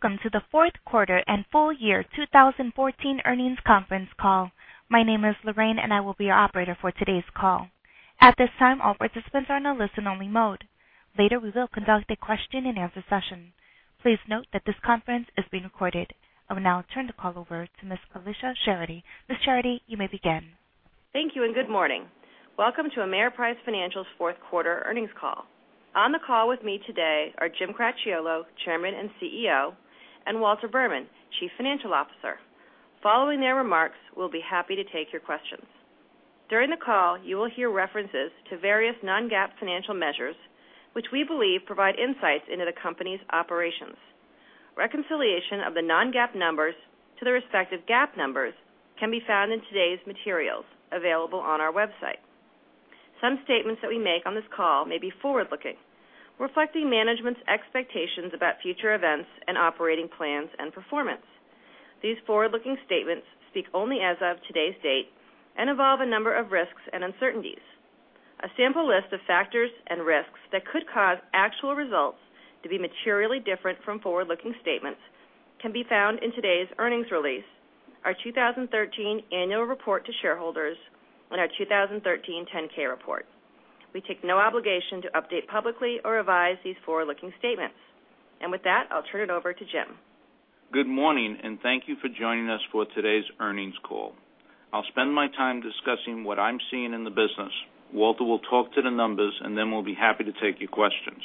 Welcome to the fourth quarter and full year 2014 earnings conference call. My name is Lorraine, and I will be your operator for today's call. At this time, all participants are in a listen-only mode. Later, we will conduct a question-and-answer session. Please note that this conference is being recorded. I will now turn the call over to Ms. Alicia Charity. Ms. Charity, you may begin. Thank you. Good morning. Welcome to Ameriprise Financial's fourth quarter earnings call. On the call with me today are Jim Cracchiolo, Chairman and CEO, and Walter Berman, Chief Financial Officer. Following their remarks, we'll be happy to take your questions. During the call, you will hear references to various non-GAAP financial measures, which we believe provide insights into the company's operations. Reconciliation of the non-GAAP numbers to their respective GAAP numbers can be found in today's materials, available on our website. Some statements that we make on this call may be forward-looking, reflecting management's expectations about future events and operating plans and performance. These forward-looking statements speak only as of today's date and involve a number of risks and uncertainties. A sample list of factors and risks that could cause actual results to be materially different from forward-looking statements can be found in today's earnings release, our 2013 annual report to shareholders, and our 2013 10-K report. We take no obligation to update publicly or revise these forward-looking statements. With that, I'll turn it over to Jim. Good morning. Thank you for joining us for today's earnings call. I'll spend my time discussing what I'm seeing in the business. Walter will talk to the numbers. Then we'll be happy to take your questions.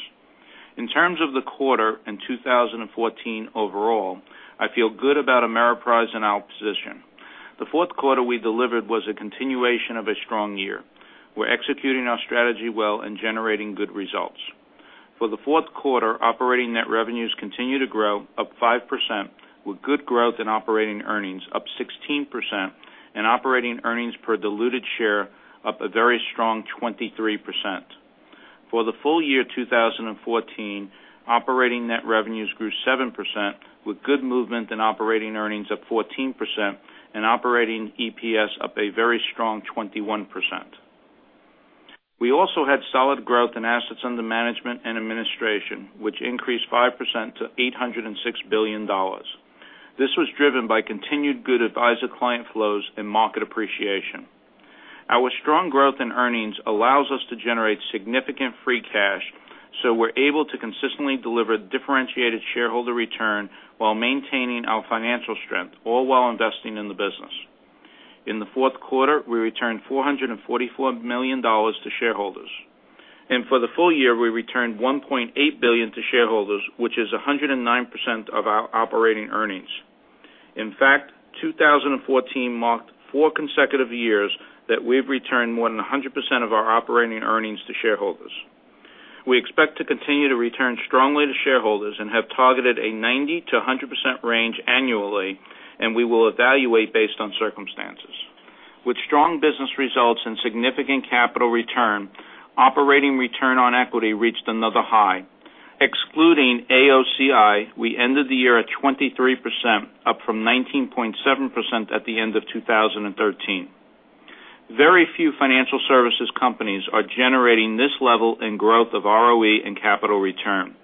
In terms of the quarter and 2014 overall, I feel good about Ameriprise and our position. The fourth quarter we delivered was a continuation of a strong year. We're executing our strategy well and generating good results. For the fourth quarter, operating net revenues continue to grow, up 5%, with good growth in operating earnings, up 16%, and operating earnings per diluted share up a very strong 23%. For the full year 2014, operating net revenues grew 7%, with good movement in operating earnings up 14% and operating EPS up a very strong 21%. We also had solid growth in assets under management and administration, which increased 5% to $806 billion. This was driven by continued good advisor client flows and market appreciation. Our strong growth in earnings allows us to generate significant free cash. We're able to consistently deliver differentiated shareholder return while maintaining our financial strength, all while investing in the business. In the fourth quarter, we returned $444 million to shareholders. For the full year, we returned $1.8 billion to shareholders, which is 109% of our operating earnings. In fact, 2014 marked four consecutive years that we've returned more than 100% of our operating earnings to shareholders. We expect to continue to return strongly to shareholders and have targeted a 90%-100% range annually. We will evaluate based on circumstances. With strong business results and significant capital return, operating return on equity reached another high. Excluding AOCI, we ended the year at 23%, up from 19.7% at the end of 2013. Very few financial services companies are generating this level in growth of ROE and capital return.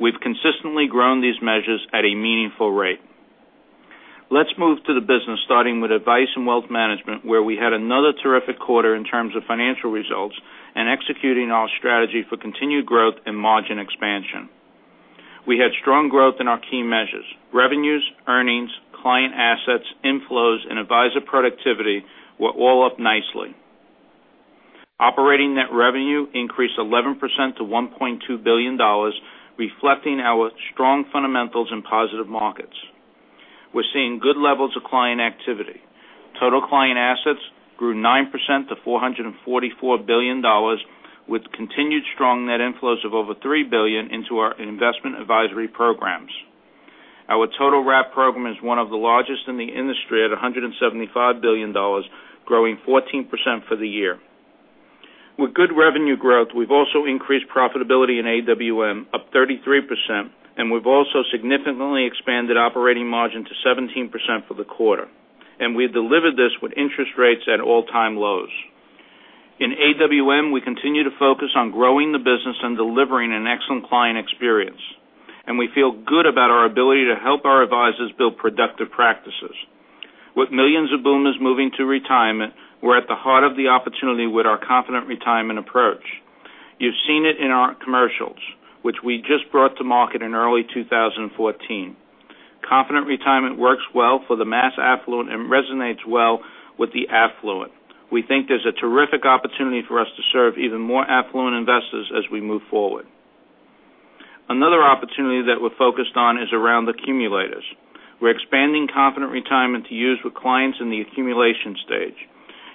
We've consistently grown these measures at a meaningful rate. Let's move to the business, starting with Advice and Wealth Management, where we had another terrific quarter in terms of financial results and executing our strategy for continued growth and margin expansion. We had strong growth in our key measures. Revenues, earnings, client assets, inflows, and advisor productivity were all up nicely. Operating net revenue increased 11% to $1.2 billion, reflecting our strong fundamentals and positive markets. We're seeing good levels of client activity. Total client assets grew 9% to $444 billion, with continued strong net inflows of over $3 billion into our investment advisory programs. Our total wrap program is one of the largest in the industry at $175 billion, growing 14% for the year. With good revenue growth, we've also increased profitability in AWM up 33%. We've also significantly expanded operating margin to 17% for the quarter. We have delivered this with interest rates at all-time lows. In AWM, we continue to focus on growing the business and delivering an excellent client experience. We feel good about our ability to help our advisors build productive practices. With millions of boomers moving to retirement, we're at the heart of the opportunity with our Confident Retirement approach. You've seen it in our commercials, which we just brought to market in early 2014. Confident Retirement works well for the mass affluent and resonates well with the affluent. We think there's a terrific opportunity for us to serve even more affluent investors as we move forward. Another opportunity that we're focused on is around accumulators. We're expanding Confident Retirement to use with clients in the accumulation stage.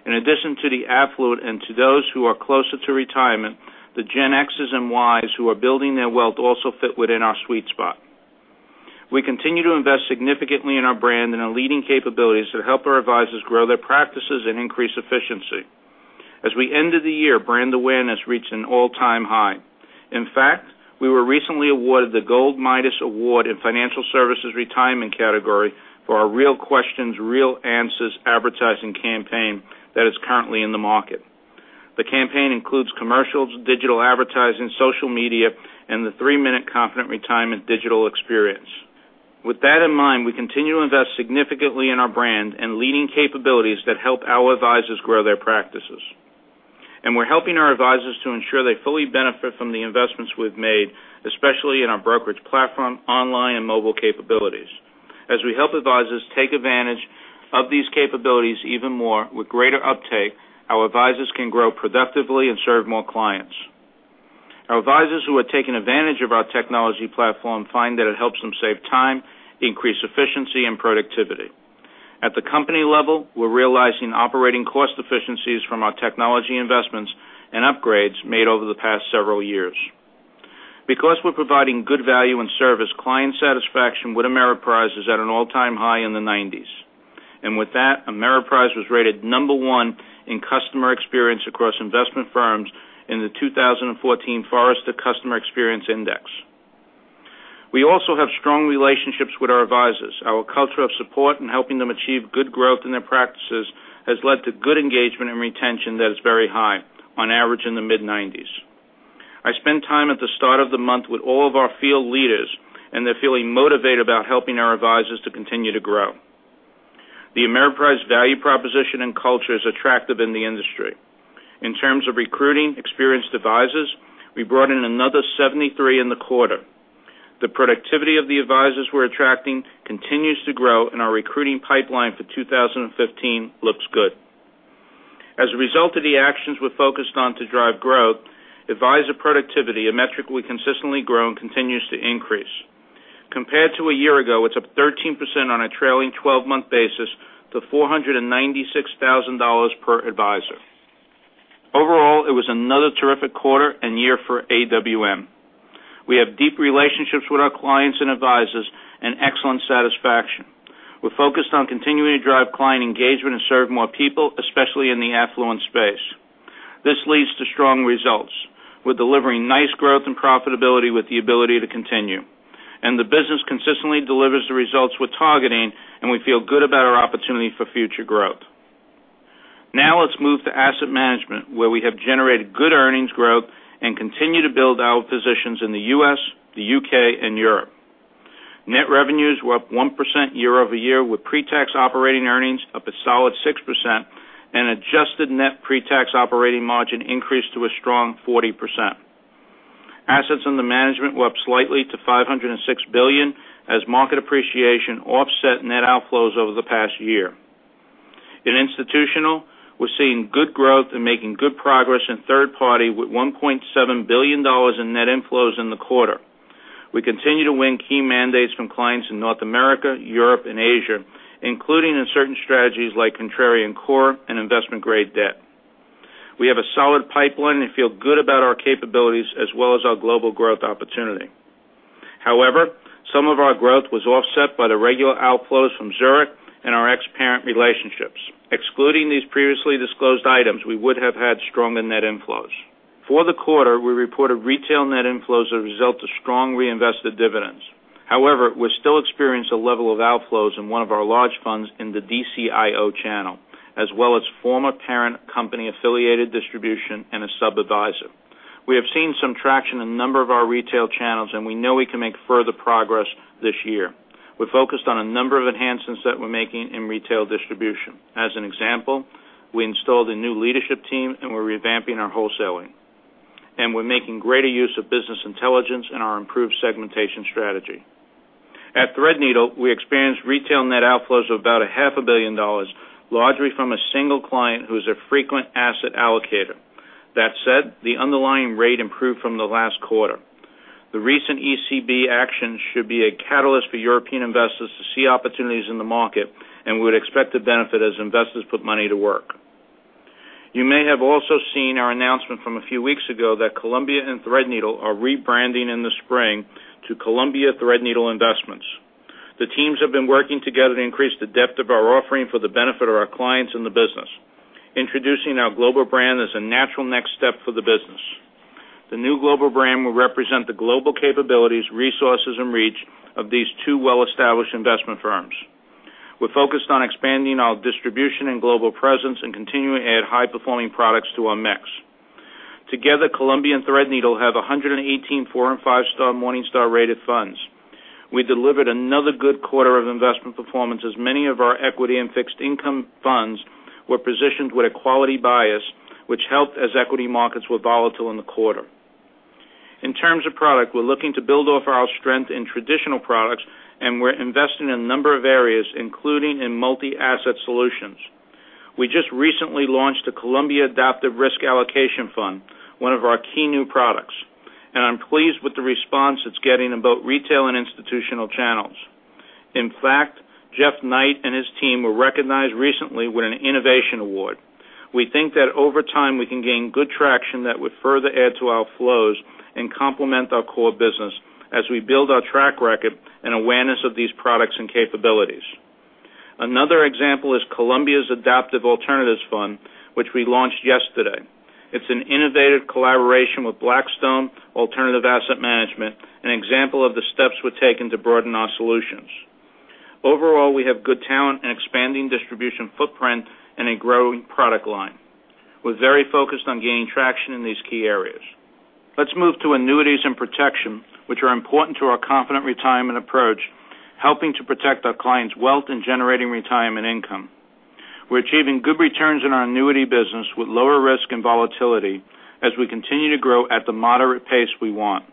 In addition to the affluent and to those who are closer to retirement, the Gen Xs and Ys who are building their wealth also fit within our sweet spot. We continue to invest significantly in our brand and our leading capabilities to help our advisors grow their practices and increase efficiency. As we ended the year, brand awareness reached an all-time high. In fact, we were recently awarded the Gold Midas Award in Financial Services Retirement category for our Real Questions, Real Answers advertising campaign that is currently in the market. The campaign includes commercials, digital advertising, social media, and the three-minute Confident Retirement digital experience. With that in mind, we continue to invest significantly in our brand and leading capabilities that help our advisors grow their practices. We're helping our advisors to ensure they fully benefit from the investments we've made, especially in our brokerage platform, online and mobile capabilities. As we help advisors take advantage of these capabilities even more with greater uptake, our advisors can grow productively and serve more clients. Our advisors who are taking advantage of our technology platform find that it helps them save time, increase efficiency, and productivity. At the company level, we're realizing operating cost efficiencies from our technology investments and upgrades made over the past several years. Because we're providing good value and service, client satisfaction with Ameriprise is at an all-time high in the 90s. With that, Ameriprise was rated number 1 in customer experience across investment firms in the 2014 Forrester Customer Experience Index. We also have strong relationships with our advisors. Our culture of support and helping them achieve good growth in their practices has led to good engagement and retention that is very high, on average in the mid-90s. I spent time at the start of the month with all of our field leaders. They're feeling motivated about helping our advisors to continue to grow. The Ameriprise value proposition and culture is attractive in the industry. In terms of recruiting experienced advisors, we brought in another 73 in the quarter. The productivity of the advisors we're attracting continues to grow. Our recruiting pipeline for 2015 looks good. As a result of the actions we're focused on to drive growth, advisor productivity, a metric we consistently grow and continues to increase. Compared to a year ago, it's up 13% on a trailing 12-month basis to $496,000 per advisor. Overall, it was another terrific quarter and year for AWM. We have deep relationships with our clients and advisors and excellent satisfaction. We're focused on continuing to drive client engagement and serve more people, especially in the affluent space. This leads to strong results. We're delivering nice growth and profitability with the ability to continue. The business consistently delivers the results we're targeting, and we feel good about our opportunity for future growth. Now let's move to asset management, where we have generated good earnings growth and continue to build our positions in the U.S., the U.K., and Europe. Net revenues were up 1% year-over-year, with pre-tax operating earnings up a solid 6% and adjusted net pre-tax operating margin increased to a strong 40%. Assets under management were up slightly to $506 billion as market appreciation offset net outflows over the past year. In institutional, we're seeing good growth and making good progress in third party with $1.7 billion in net inflows in the quarter. We continue to win key mandates from clients in North America, Europe, and Asia, including in certain strategies like Contrarian Core and investment-grade debt. We have a solid pipeline and feel good about our capabilities as well as our global growth opportunity. However, some of our growth was offset by the regular outflows from Zurich and our ex-parent relationships. Excluding these previously disclosed items, we would have had stronger net inflows. For the quarter, we reported retail net inflows as a result of strong reinvested dividends. However, we still experience a level of outflows in one of our large funds in the DCIO channel, as well as former parent company-affiliated distribution and a sub-adviser. We have seen some traction in a number of our retail channels. We know we can make further progress this year. We're focused on a number of enhancements that we're making in retail distribution. As an example, we installed a new leadership team. We're revamping our wholesaling, and we're making greater use of business intelligence in our improved segmentation strategy. At Threadneedle, we experienced retail net outflows of about a half a billion dollars, largely from a single client who is a frequent asset allocator. That said, the underlying rate improved from the last quarter. The recent ECB action should be a catalyst for European investors to see opportunities in the market. We would expect to benefit as investors put money to work. You may have also seen our announcement from a few weeks ago that Columbia and Threadneedle are rebranding in the spring to Columbia Threadneedle Investments. The teams have been working together to increase the depth of our offering for the benefit of our clients and the business. Introducing our global brand is a natural next step for the business. The new global brand will represent the global capabilities, resources, and reach of these two well-established investment firms. We're focused on expanding our distribution and global presence and continuing to add high-performing products to our mix. Together, Columbia and Threadneedle have 118 four and five-star Morningstar-rated funds. We delivered another good quarter of investment performance as many of our equity and fixed income funds were positioned with a quality bias, which helped as equity markets were volatile in the quarter. In terms of product, we're looking to build off our strength in traditional products. We're investing in a number of areas, including in multi-asset solutions. We just recently launched a Columbia Adaptive Risk Allocation Fund, one of our key new products. I'm pleased with the response it's getting in both retail and institutional channels. In fact, Jeff Knight and his team were recognized recently with an innovation award. We think that over time, we can gain good traction that would further add to our flows and complement our core business as we build our track record and awareness of these products and capabilities. Another example is Columbia's Adaptive Alternatives Fund, which we launched yesterday. It's an innovative collaboration with Blackstone Alternative Asset Management, an example of the steps we've taken to broaden our solutions. Overall, we have good talent and expanding distribution footprint and a growing product line. We're very focused on gaining traction in these key areas. Let's move to annuities and protection, which are important to our Confident Retirement approach, helping to protect our clients' wealth and generating retirement income. We're achieving good returns in our annuity business with lower risk and volatility as we continue to grow at the moderate pace we want.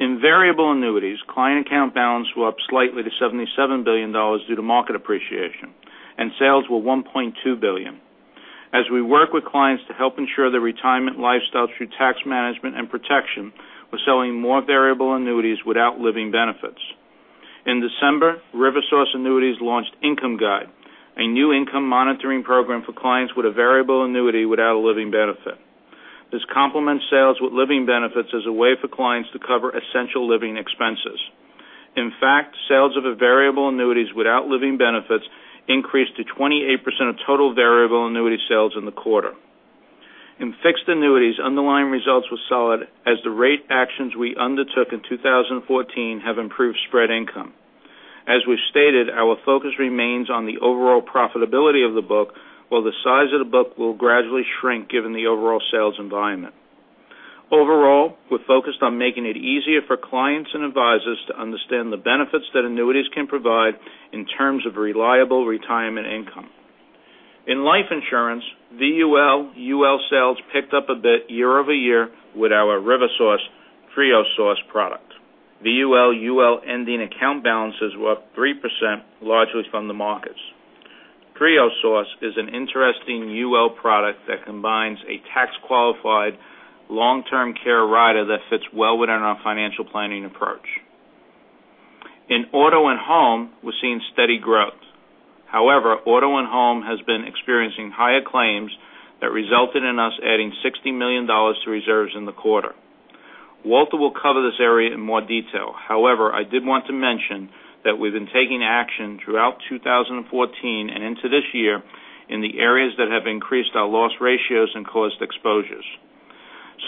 In variable annuities, client account balance were up slightly to $77 billion due to market appreciation. Sales were $1.2 billion. As we work with clients to help ensure their retirement lifestyle through tax management and protection, we're selling more variable annuities without living benefits. In December, RiverSource Annuities launched Income Guide, a new income monitoring program for clients with a variable annuity without a living benefit. This complements sales with living benefits as a way for clients to cover essential living expenses. In fact, sales of variable annuities without living benefits increased to 28% of total variable annuity sales in the quarter. In fixed annuities, underlying results were solid as the rate actions we undertook in 2014 have improved spread income. As we've stated, our focus remains on the overall profitability of the book, while the size of the book will gradually shrink given the overall sales environment. Overall, we're focused on making it easier for clients and advisors to understand the benefits that annuities can provide in terms of reliable retirement income. In life insurance, VUL/UL sales picked up a bit year-over-year with our RiverSource TrioSource product. VUL/UL ending account balances were up 3%, largely from the markets. TrioSource is an interesting UL product that combines a tax-qualified long-term care rider that fits well within our financial planning approach. In auto and home, we're seeing steady growth. Auto and home has been experiencing higher claims that resulted in us adding $60 million to reserves in the quarter. Walter will cover this area in more detail. I did want to mention that we've been taking action throughout 2014 and into this year in the areas that have increased our loss ratios and caused exposures.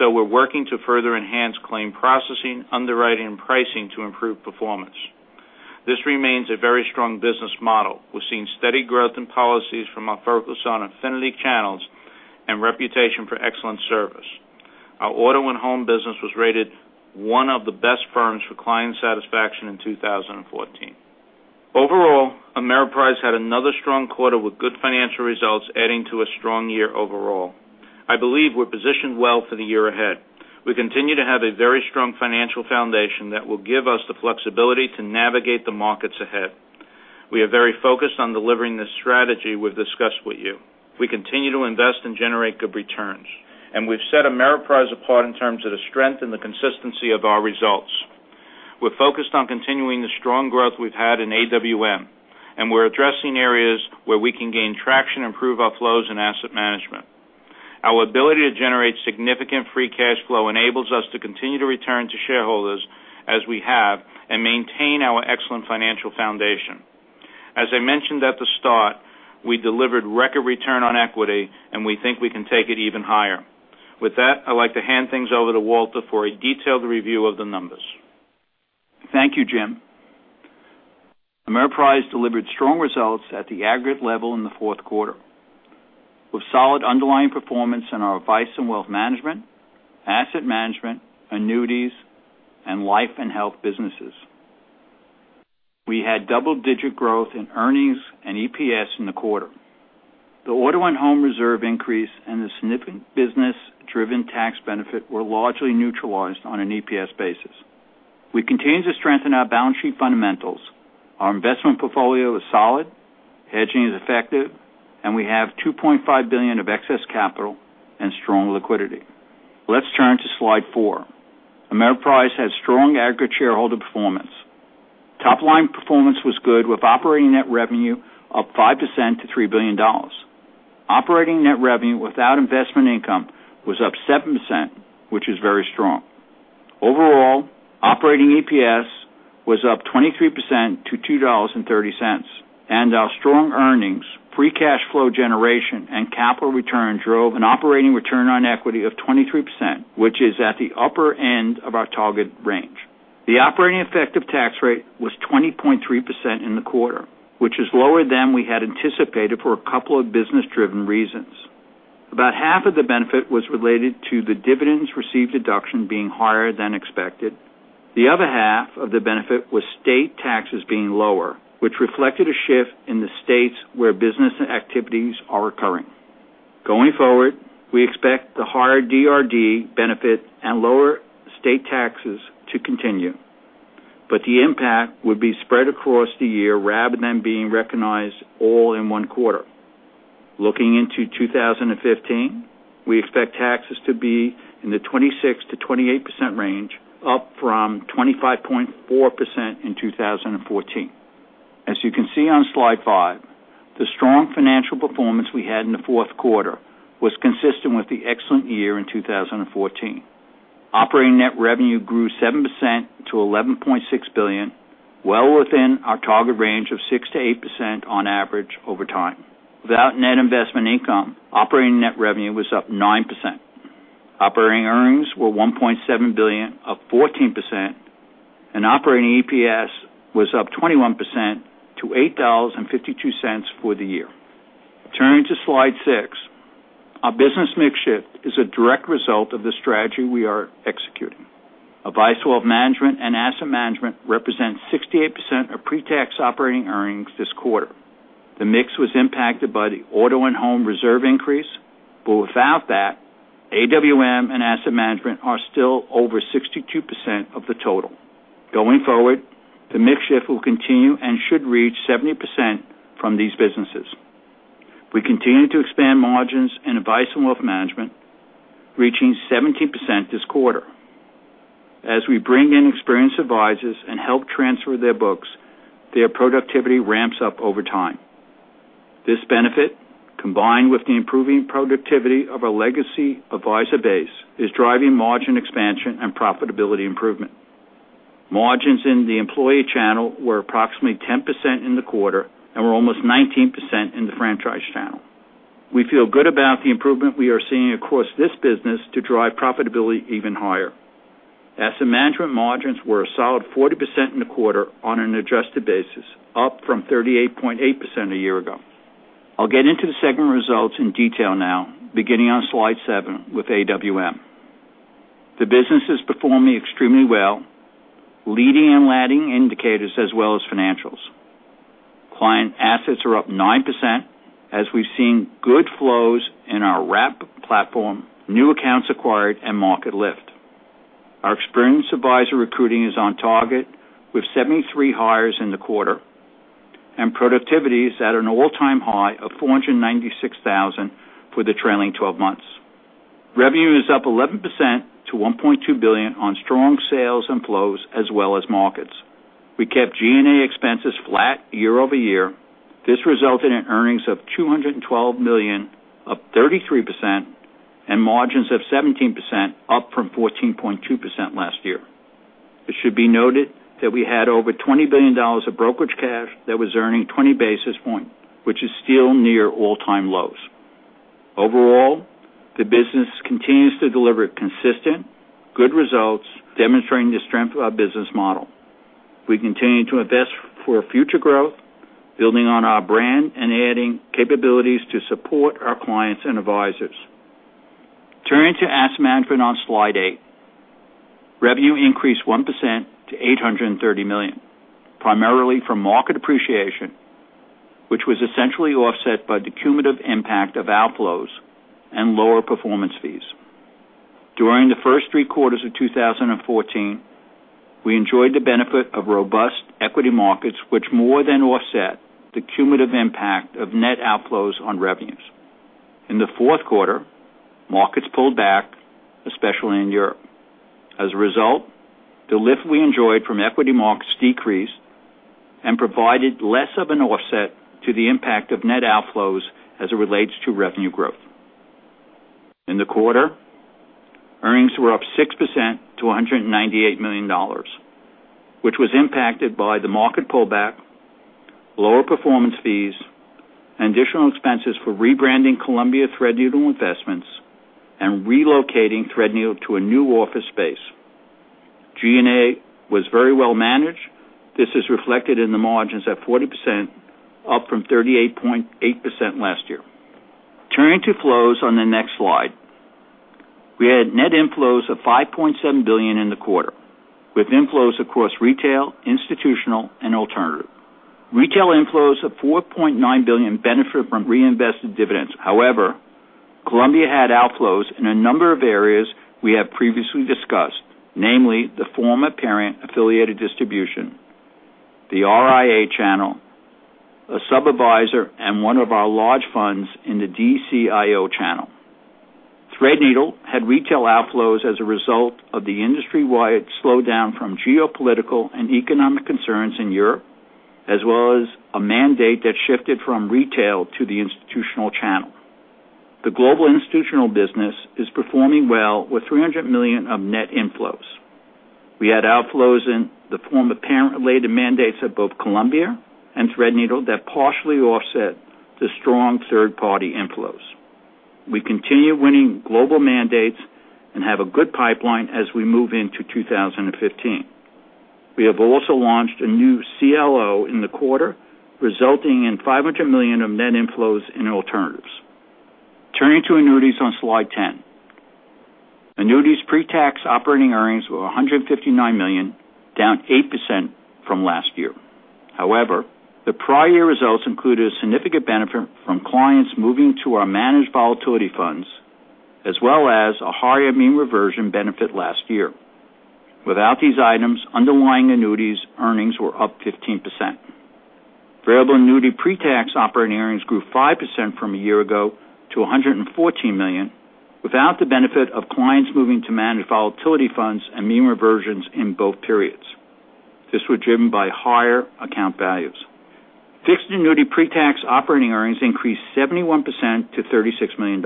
We're working to further enhance claim processing, underwriting, and pricing to improve performance. This remains a very strong business model. We're seeing steady growth in policies from our focus on affinity channels and reputation for excellent service. Our auto and home business was rated one of the best firms for client satisfaction in 2014. Overall, Ameriprise had another strong quarter with good financial results adding to a strong year overall. I believe we're positioned well for the year ahead. We continue to have a very strong financial foundation that will give us the flexibility to navigate the markets ahead. We are very focused on delivering the strategy we've discussed with you. We continue to invest and generate good returns. We've set Ameriprise apart in terms of the strength and the consistency of our results. We're focused on continuing the strong growth we've had in AWM. We're addressing areas where we can gain traction and improve our flows in asset management. Our ability to generate significant free cash flow enables us to continue to return to shareholders as we have and maintain our excellent financial foundation. As I mentioned at the start, we delivered record return on equity. We think we can take it even higher. With that, I'd like to hand things over to Walter for a detailed review of the numbers. Thank you, Jim. Ameriprise delivered strong results at the aggregate level in the fourth quarter with solid underlying performance in our Advice and Wealth Management, asset management, annuities, and life and health businesses. We had double-digit growth in earnings and EPS in the quarter. The auto and home reserve increase and the significant business-driven tax benefit were largely neutralized on an EPS basis. We continue to strengthen our balance sheet fundamentals. Our investment portfolio is solid, hedging is effective. We have $2.5 billion of excess capital and strong liquidity. Let's turn to slide four. Ameriprise had strong aggregate shareholder performance. Top-line performance was good with operating net revenue up 5% to $3 billion. Operating net revenue without investment income was up 7%, which is very strong. Overall, operating EPS was up 23% to $2.30. Our strong earnings, free cash flow generation, and capital return drove an operating return on equity of 23%, which is at the upper end of our target range. The operating effective tax rate was 20.3% in the quarter, which is lower than we had anticipated for a couple of business-driven reasons. About half of the benefit was related to the dividends received deduction being higher than expected. The other half of the benefit was state taxes being lower, which reflected a shift in the states where business activities are occurring. Going forward, we expect the higher DRD benefit and lower state taxes to continue, but the impact would be spread across the year rather than being recognized all in one quarter. Looking into 2015, we expect taxes to be in the 26%-28% range, up from 25.4% in 2014. As you can see on slide five, the strong financial performance we had in the fourth quarter was consistent with the excellent year in 2014. Operating net revenue grew 7% to $11.6 billion, well within our target range of 6%-8% on average over time. Without net investment income, operating net revenue was up 9%. Operating earnings were $1.7 billion, up 14%, and operating EPS was up 21% to $8.52 for the year. Turning to slide six, our business mix shift is a direct result of the strategy we are executing. Advice and Wealth Management and Asset Management represent 68% of pre-tax operating earnings this quarter. The mix was impacted by the auto and home reserve increase, but without that, AWM and Asset Management are still over 62% of the total. Going forward, the mix shift will continue and should reach 70% from these businesses. We continue to expand margins in Advice and Wealth Management, reaching 17% this quarter. As we bring in experienced advisors and help transfer their books, their productivity ramps up over time. This benefit, combined with the improving productivity of a legacy advisor base, is driving margin expansion and profitability improvement. Margins in the employee channel were approximately 10% in the quarter and were almost 19% in the franchise channel. We feel good about the improvement we are seeing across this business to drive profitability even higher. Asset Management margins were a solid 40% in the quarter on an adjusted basis, up from 38.8% a year ago. I'll get into the segment results in detail now, beginning on slide seven with AWM. The business is performing extremely well, leading and lagging indicators as well as financials. Client assets are up 9% as we've seen good flows in our wrap platform, new accounts acquired, and market lift. Our experienced advisor recruiting is on target with 73 hires in the quarter, and productivity is at an all-time high of 496,000 for the trailing 12 months. Revenue is up 11% to $1.2 billion on strong sales and flows, as well as markets. We kept G&A expenses flat year-over-year. This resulted in earnings of $212 million, up 33%, and margins of 17%, up from 14.2% last year. It should be noted that we had over $20 billion of brokerage cash that was earning 20 basis points, which is still near all-time lows. Overall, the business continues to deliver consistent good results, demonstrating the strength of our business model. We continue to invest for future growth, building on our brand and adding capabilities to support our clients and advisors. Turning to Asset Management on slide eight. Revenue increased 1% to $830 million, primarily from market appreciation, which was essentially offset by the cumulative impact of outflows and lower performance fees. During the first three quarters of 2014, we enjoyed the benefit of robust equity markets, which more than offset the cumulative impact of net outflows on revenues. In the fourth quarter, markets pulled back, especially in Europe. As a result, the lift we enjoyed from equity markets decreased and provided less of an offset to the impact of net outflows as it relates to revenue growth. In the quarter, earnings were up 6% to $198 million, which was impacted by the market pullback, lower performance fees, and additional expenses for rebranding Columbia Threadneedle Investments and relocating Threadneedle to a new office space. G&A was very well managed. This is reflected in the margins at 40%, up from 38.8% last year. Turning to flows on the next slide. We had net inflows of $5.7 billion in the quarter with inflows across retail, institutional, and alternative. Retail inflows of $4.9 billion benefit from reinvested dividends. However, Columbia had outflows in a number of areas we have previously discussed, namely the former parent-affiliated distribution, the RIA channel, a sub-advisor, and one of our large funds in the DCIO channel. Threadneedle had retail outflows as a result of the industry-wide slowdown from geopolitical and economic concerns in Europe, as well as a mandate that shifted from retail to the institutional channel. The global institutional business is performing well with $300 million of net inflows. We had outflows in the form of parent-related mandates at both Columbia and Threadneedle that partially offset the strong third-party inflows. We continue winning global mandates and have a good pipeline as we move into 2015. We have also launched a new CLO in the quarter, resulting in $500 million of net inflows in alternatives. Turning to annuities on slide 10. Annuities pre-tax operating earnings were $159 million, down 8% from last year. However, the prior year results included a significant benefit from clients moving to our managed volatility funds, as well as a higher mean reversion benefit last year. Without these items, underlying annuities earnings were up 15%. Variable annuity pre-tax operating earnings grew 5% from a year ago to $114 million without the benefit of clients moving to managed volatility funds and mean reversions in both periods. This was driven by higher account values. Fixed annuity pre-tax operating earnings increased 71% to $36 million.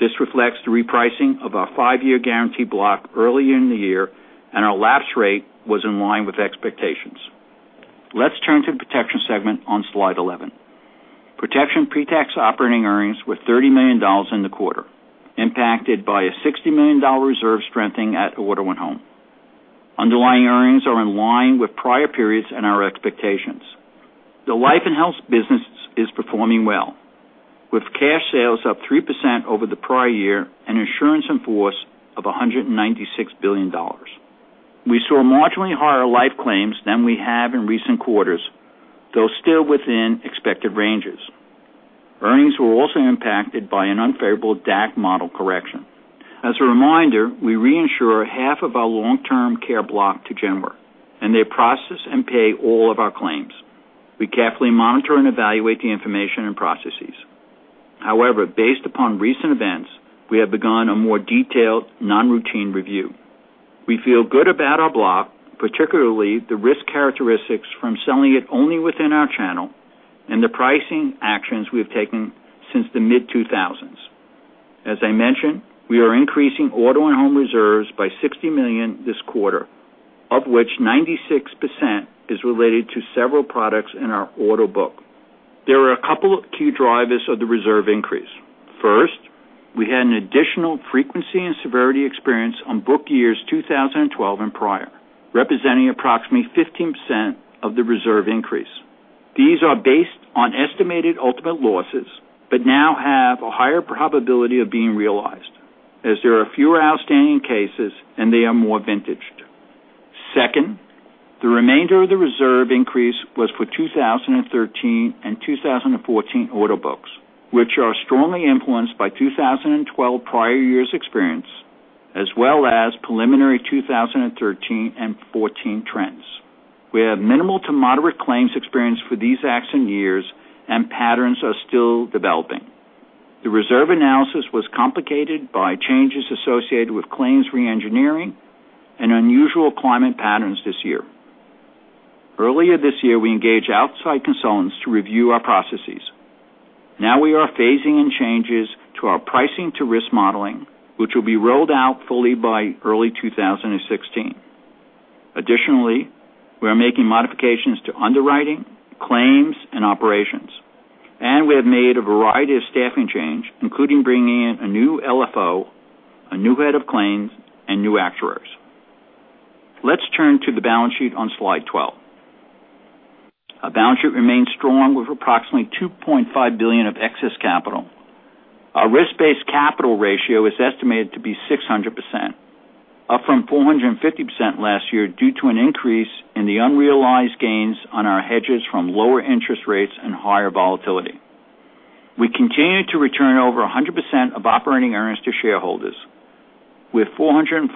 This reflects the repricing of our five-year guarantee block early in the year, and our lapse rate was in line with expectations. Let's turn to the protection segment on slide 11. Protection pre-tax operating earnings were $30 million in the quarter, impacted by a $60 million reserve strengthening at Auto and Home. Underlying earnings are in line with prior periods and our expectations. The life and health business is performing well, with cash sales up 3% over the prior year and insurance in force of $196 billion. We saw marginally higher life claims than we have in recent quarters, though still within expected ranges. Earnings were also impacted by an unfavorable DAC model correction. As a reminder, we reinsure half of our long-term care block to Genworth, and they process and pay all of our claims. We carefully monitor and evaluate the information and processes. However, based upon recent events, we have begun a more detailed non-routine review. We feel good about our block, particularly the risk characteristics from selling it only within our channel and the pricing actions we have taken since the mid-2000s. As I mentioned, we are increasing Auto and Home reserves by $60 million this quarter, of which 96% is related to several products in our auto book. There are a couple of key drivers of the reserve increase. First, we had an additional frequency and severity experience on book years 2012 and prior, representing approximately 15% of the reserve increase. These are based on estimated ultimate losses, but now have a higher probability of being realized as there are fewer outstanding cases and they are more vintaged. Second, the remainder of the reserve increase was for 2013 and 2014 auto books, which are strongly influenced by 2012 prior years' experience, as well as preliminary 2013 and 2014 trends. We have minimal to moderate claims experience for these accident years and patterns are still developing. The reserve analysis was complicated by changes associated with claims re-engineering and unusual climate patterns this year. Earlier this year, we engaged outside consultants to review our processes. We are phasing in changes to our pricing to risk modeling, which will be rolled out fully by early 2016. We are making modifications to underwriting, claims, and operations, and we have made a variety of staffing change, including bringing in a new LFO, a new head of claims, and new actuaries. Turn to the balance sheet on slide 12. Our balance sheet remains strong with approximately $2.5 billion of excess capital. Our risk-based capital ratio is estimated to be 600%, up from 450% last year due to an increase in the unrealized gains on our hedges from lower interest rates and higher volatility. We continue to return over 100% of operating earnings to shareholders, with $444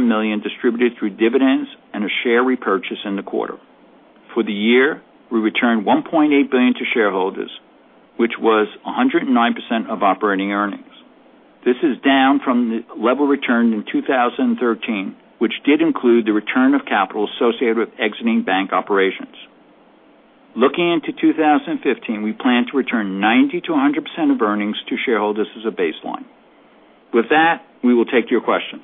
million distributed through dividends and a share repurchase in the quarter. For the year, we returned $1.8 billion to shareholders, which was 109% of operating earnings. This is down from the level returned in 2013, which did include the return of capital associated with exiting bank operations. Looking into 2015, we plan to return 90%-100% of earnings to shareholders as a baseline. With that, we will take your questions.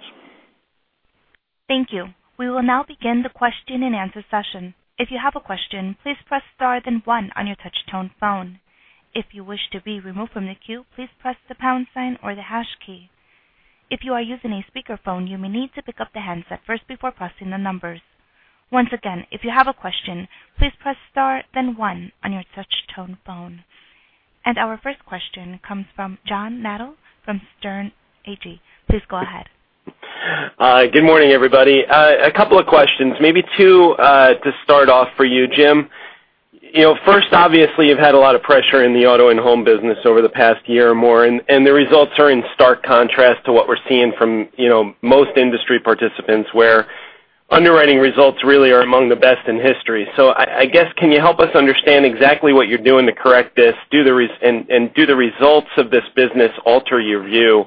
Thank you. We will now begin the question and answer session. If you have a question, please press star then one on your touch tone phone. If you wish to be removed from the queue, please press the pound sign or the hash key. If you are using a speakerphone, you may need to pick up the handset first before pressing the numbers. Once again, if you have a question, please press star then one on your touch tone phone. Our first question comes from John Nadel from Sterne Agee. Please go ahead. Good morning, everybody. A couple of questions, maybe two to start off for you, Jim. First, obviously, you've had a lot of pressure in the Auto and Home business over the past year or more, and the results are in stark contrast to what we're seeing from most industry participants, where underwriting results really are among the best in history. I guess can you help us understand exactly what you're doing to correct this? Do the results of this business alter your view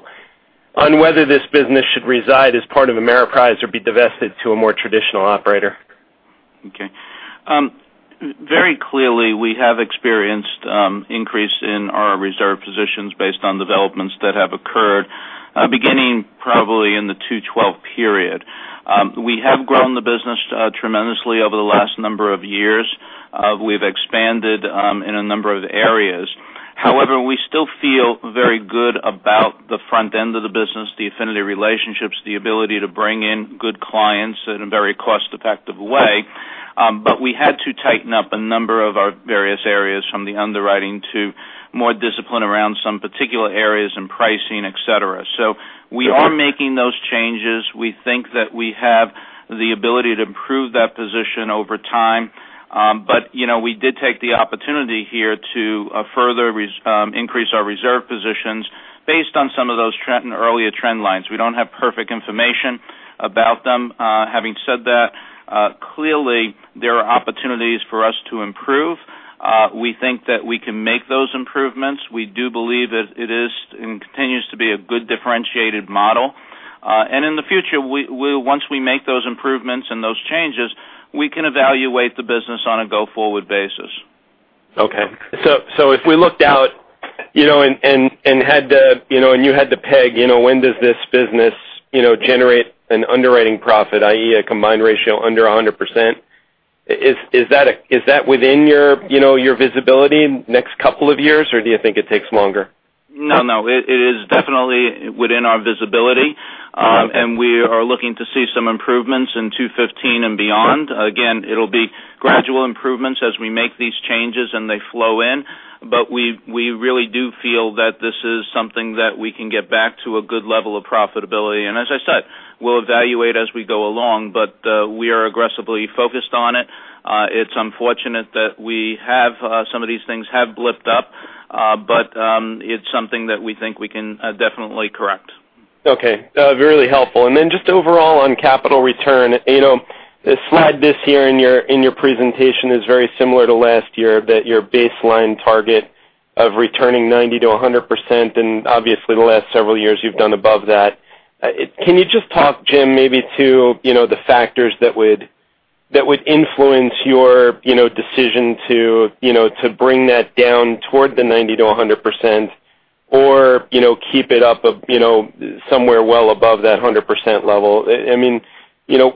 on whether this business should reside as part of Ameriprise or be divested to a more traditional operator? Okay. Very clearly, we have experienced increase in our reserve positions based on developments that have occurred, beginning probably in the 2012 period. We have grown the business tremendously over the last number of years. We've expanded in a number of areas. However, we still feel very good about the front end of the business, the affinity relationships, the ability to bring in good clients in a very cost-effective way. We had to tighten up a number of our various areas from the underwriting to more discipline around some particular areas in pricing, et cetera. We are making those changes. We think that we have the ability to improve that position over time. We did take the opportunity here to further increase our reserve positions based on some of those earlier trend lines. We don't have perfect information about them. Having said that, clearly there are opportunities for us to improve. We think that we can make those improvements. We do believe that it is and continues to be a good differentiated model. In the future, once we make those improvements and those changes, we can evaluate the business on a go-forward basis. Okay. If we looked out you had to peg, when does this business generate an underwriting profit, i.e., a combined ratio under 100%? Is that within your visibility in next couple of years or do you think it takes longer? No. It is definitely within our visibility. Okay. We are looking to see some improvements in 2015 and beyond. Again, it'll be gradual improvements as we make these changes and they flow in. We really do feel that this is something that we can get back to a good level of profitability. As I said, we'll evaluate as we go along, but we are aggressively focused on it. It's unfortunate that some of these things have blipped up. It's something that we think we can definitely correct. Okay. Really helpful. Then just overall on capital return. The slide this year in your presentation is very similar to last year, that your baseline target of returning 90%-100%, and obviously the last several years you've done above that. Can you just talk, Jim, maybe to the factors that would influence your decision to bring that down toward the 90%-100%, or keep it up somewhere well above that 100% level?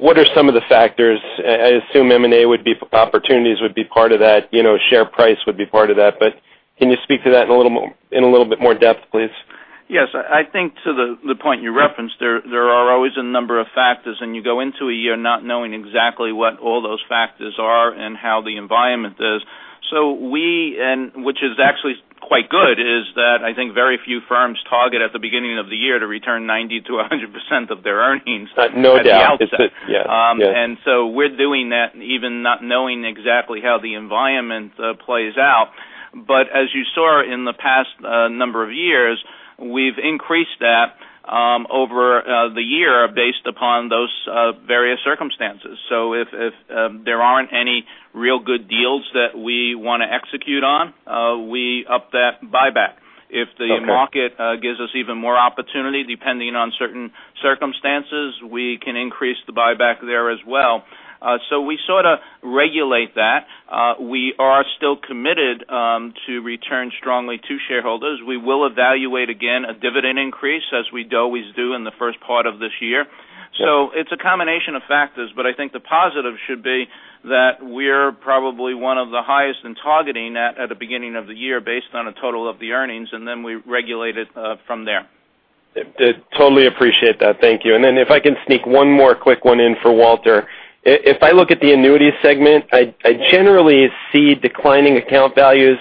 What are some of the factors? I assume M&A opportunities would be part of that, share price would be part of that, can you speak to that in a little bit more depth, please? Yes. I think to the point you referenced, there are always a number of factors, you go into a year not knowing exactly what all those factors are and how the environment is. Which is actually quite good, is that I think very few firms target at the beginning of the year to return 90%-100% of their earnings at the outset. No doubt. Yeah. We're doing that, even not knowing exactly how the environment plays out. As you saw in the past number of years, we've increased that over the year based upon those various circumstances. If there aren't any real good deals that we want to execute on, we up that buyback. Okay. If the market gives us even more opportunity, depending on certain circumstances, we can increase the buyback there as well. We sort of regulate that. We are still committed to return strongly to shareholders. We will evaluate again a dividend increase, as we always do in the first part of this year. It's a combination of factors, but I think the positive should be that we're probably one of the highest in targeting that at the beginning of the year based on a total of the earnings, and then we regulate it from there. Totally appreciate that. Thank you. If I can sneak one more quick one in for Walter. If I look at the annuity segment, I generally see declining account values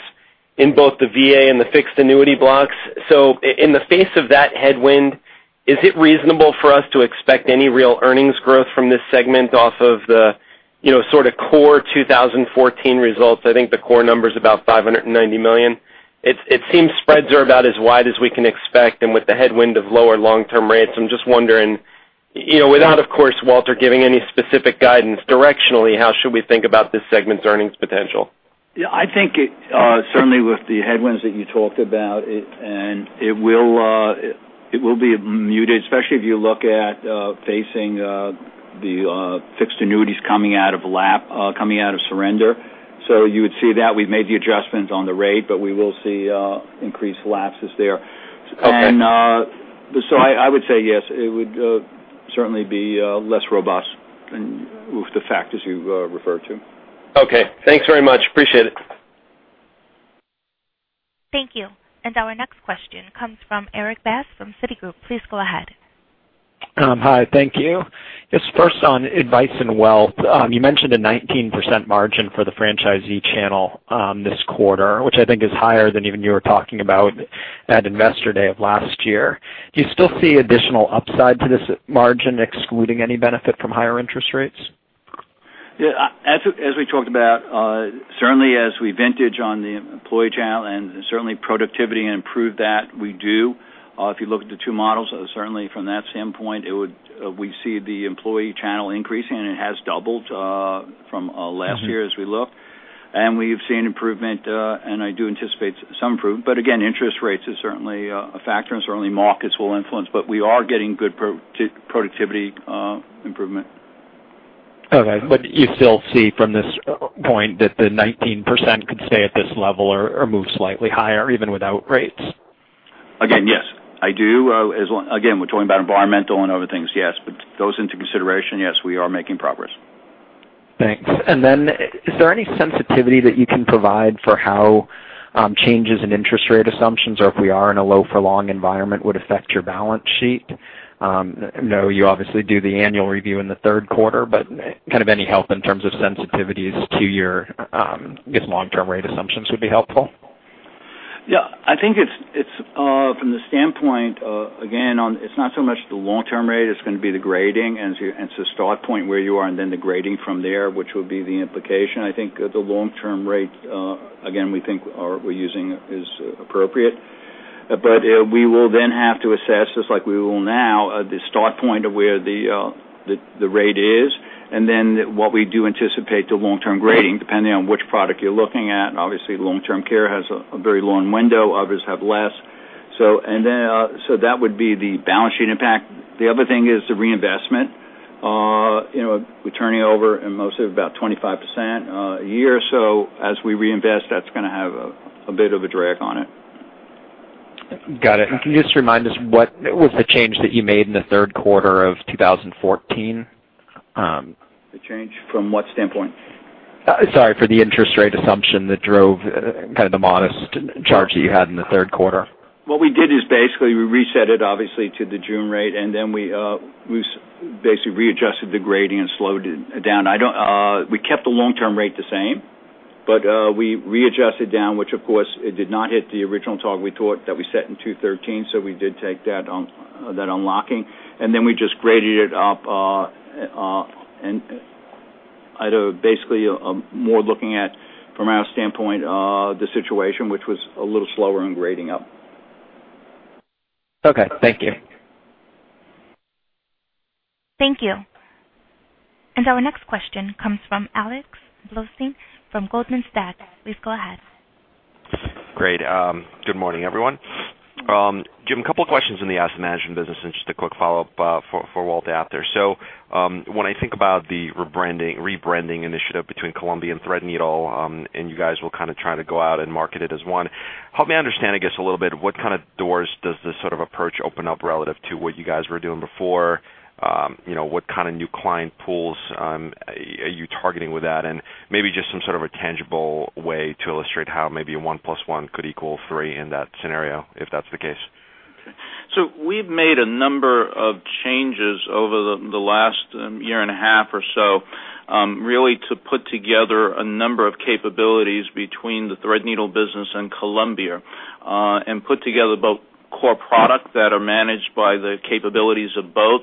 in both the VA and the fixed annuity blocks. In the face of that headwind, is it reasonable for us to expect any real earnings growth from this segment off of the sort of core 2014 results? I think the core number's about $590 million. It seems spreads are about as wide as we can expect, and with the headwind of lower long-term rates, I'm just wondering, without, of course, Walter giving any specific guidance directionally, how should we think about this segment's earnings potential? Yeah, I think it certainly with the headwinds that you talked about, it will be muted, especially if you look at facing the fixed annuities coming out of surrender. You would see that we've made the adjustments on the rate, but we will see increased lapses there. Okay. I would say yes, it would certainly be less robust with the factors you referred to. Okay. Thanks very much. Appreciate it. Thank you. Our next question comes from Erik Bass from Citigroup. Please go ahead. Hi. Thank you. Yes, first on Advice and Wealth. You mentioned a 19% margin for the franchisee channel this quarter, which I think is higher than even you were talking about at Investor Day of last year. Do you still see additional upside to this margin, excluding any benefit from higher interest rates? Yeah. As we talked about, certainly as we vintage on the employee channel and certainly productivity improved that, we do. If you look at the two models, certainly from that standpoint, we see the employee channel increasing, and it has doubled from last year as we look. We've seen improvement, and I do anticipate some improvement. Again, interest rates is certainly a factor, and certainly markets will influence. We are getting good productivity improvement. Okay. You still see from this point that the 19% could stay at this level or move slightly higher even without rates? Again, yes. I do. Again, we're talking about environmental and other things, yes. Those into consideration, yes, we are making progress. Thanks. Then is there any sensitivity that you can provide for how changes in interest rate assumptions or if we are in a low for long environment would affect your balance sheet? I know you obviously do the annual review in the third quarter, but kind of any help in terms of sensitivities to your, I guess, long-term rate assumptions would be helpful. Yeah. I think from the standpoint, again, it's not so much the long-term rate. It's going to be the grading, and it's the start point where you are and then the grading from there, which will be the implication. I think the long-term rate, again, we think we're using is appropriate. We will then have to assess, just like we will now, the start point of where the rate is, and then what we do anticipate the long-term grading, depending on which product you're looking at. Obviously, long-term care has a very long window. Others have less. That would be the balance sheet impact. The other thing is the reinvestment. We're turning over mostly about 25% a year. As we reinvest, that's going to have a bit of a drag on it. Got it. Can you just remind us what was the change that you made in the third quarter of 2014? The change from what standpoint? Sorry, for the interest rate assumption that drove the modest charge that you had in the third quarter. What we did is basically we reset it obviously to the June rate, and then we basically readjusted the gradient, slowed it down. We kept the long-term rate the same, but we readjusted down, which of course, it did not hit the original target we thought that we set in 2013, so we did take that unlocking. We just graded it up out of basically more looking at, from our standpoint, the situation, which was a little slower in grading up. Okay. Thank you. Thank you. Our next question comes from Alex Blostein from Goldman Sachs. Please go ahead. Great. Good morning, everyone. Jim, a couple of questions in the asset management business, and just a quick follow-up for Walt after. When I think about the rebranding initiative between Columbia and Threadneedle, and you guys will try to go out and market it as one, help me understand, I guess, a little bit, what kind of doors does this sort of approach open up relative to what you guys were doing before? What kind of new client pools are you targeting with that? And maybe just some sort of a tangible way to illustrate how maybe one plus one could equal three in that scenario, if that's the case. We've made a number of changes over the last year and a half or so, really to put together a number of capabilities between the Threadneedle business and Columbia, and put together both core product that are managed by the capabilities of both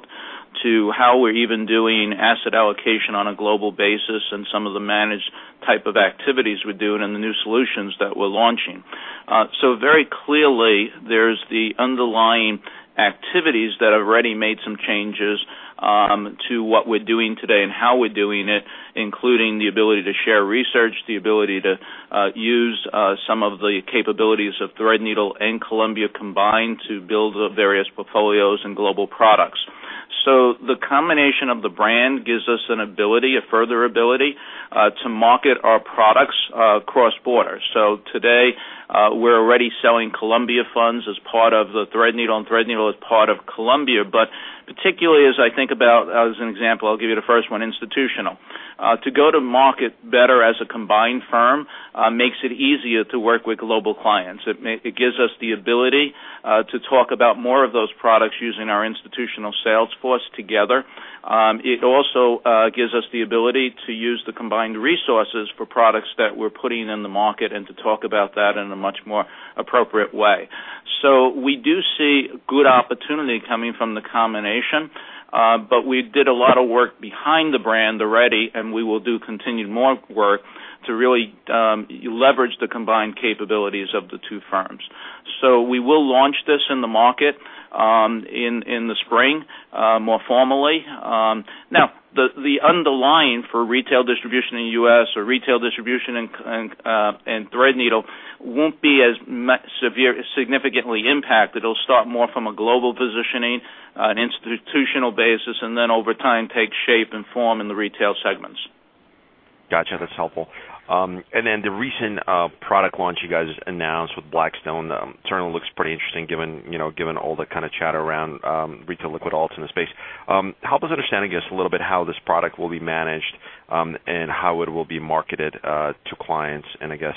to how we're even doing asset allocation on a global basis, and some of the managed type of activities we're doing, and the new solutions that we're launching. Very clearly, there's the underlying activities that already made some changes to what we're doing today and how we're doing it, including the ability to share research, the ability to use some of the capabilities of Threadneedle and Columbia combined to build the various portfolios and global products. The combination of the brand gives us an ability, a further ability to market our products across borders. Today, we're already selling Columbia funds as part of the Threadneedle, and Threadneedle is part of Columbia. Particularly as I think about, as an example, I'll give you the first one, institutional. To go to market better as a combined firm makes it easier to work with global clients. It gives us the ability to talk about more of those products using our institutional sales force together. It also gives us the ability to use the combined resources for products that we're putting in the market, and to talk about that in a much more appropriate way. We do see good opportunity coming from the combination. We did a lot of work behind the brand already, and we will do continued more work to really leverage the combined capabilities of the two firms. We will launch this in the market in the spring, more formally. The underlying for retail distribution in the U.S. or retail distribution in Threadneedle won't be as significantly impacted. It'll start more from a global positioning, an institutional basis, and then over time, take shape and form in the retail segments. Got you. That's helpful. The recent product launch you guys announced with Blackstone, Eternal, looks pretty interesting given all the kind of chatter around retail liquid alts in the space. Help us understand, I guess, a little bit how this product will be managed, and how it will be marketed to clients. I guess,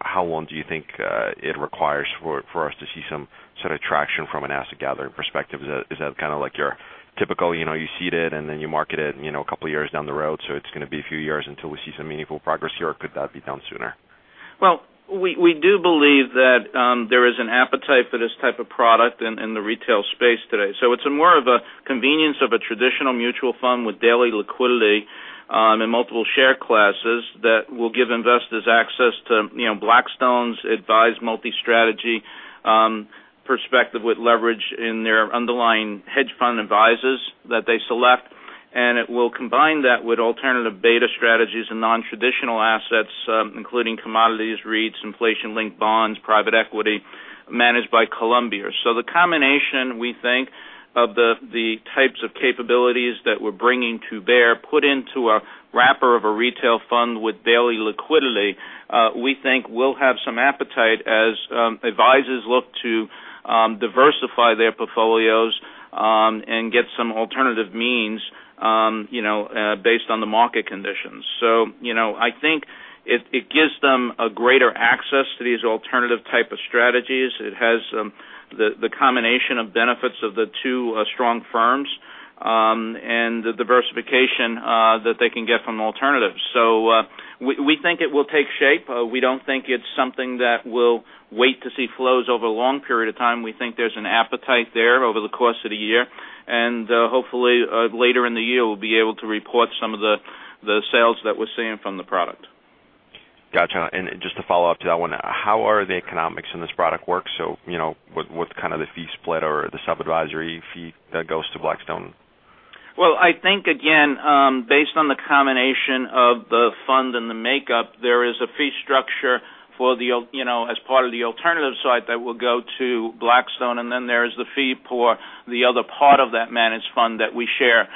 how long do you think it requires for us to see some sort of traction from an asset gathering perspective? Is that kind of like your typical, you seed it, then you market it 2 years down the road, it's going to be a few years until we see some meaningful progress here, or could that be done sooner? Well, we do believe that there is an appetite for this type of product in the retail space today. It's more of a convenience of a traditional mutual fund with daily liquidity in multiple share classes that will give investors access to Blackstone's advised multi-strategy perspective with leverage in their underlying hedge fund advisers that they select. It will combine that with alternative beta strategies and non-traditional assets, including commodities, REITs, inflation-linked bonds, private equity managed by Columbia. The combination, we think, of the types of capabilities that we're bringing to bear put into a wrapper of a retail fund with daily liquidity, we think will have some appetite as advisers look to diversify their portfolios, and get some alternative means based on the market conditions. I think it gives them a greater access to these alternative type of strategies. It has the combination of benefits of the 2 strong firms, and the diversification that they can get from alternatives. We think it will take shape. We don't think it's something that we'll wait to see flows over a long period of time. We think there's an appetite there over the course of the year. Hopefully, later in the year, we'll be able to report some of the sales that we're seeing from the product. Got you. Just to follow up to that 1, how are the economics in this product work? What's the fee split or the sub-advisory fee that goes to Blackstone? Well, I think, again, based on the combination of the fund and the makeup, there is a fee structure as part of the alternative side that will go to Blackstone, then there's the fee for the other part of that managed fund that we share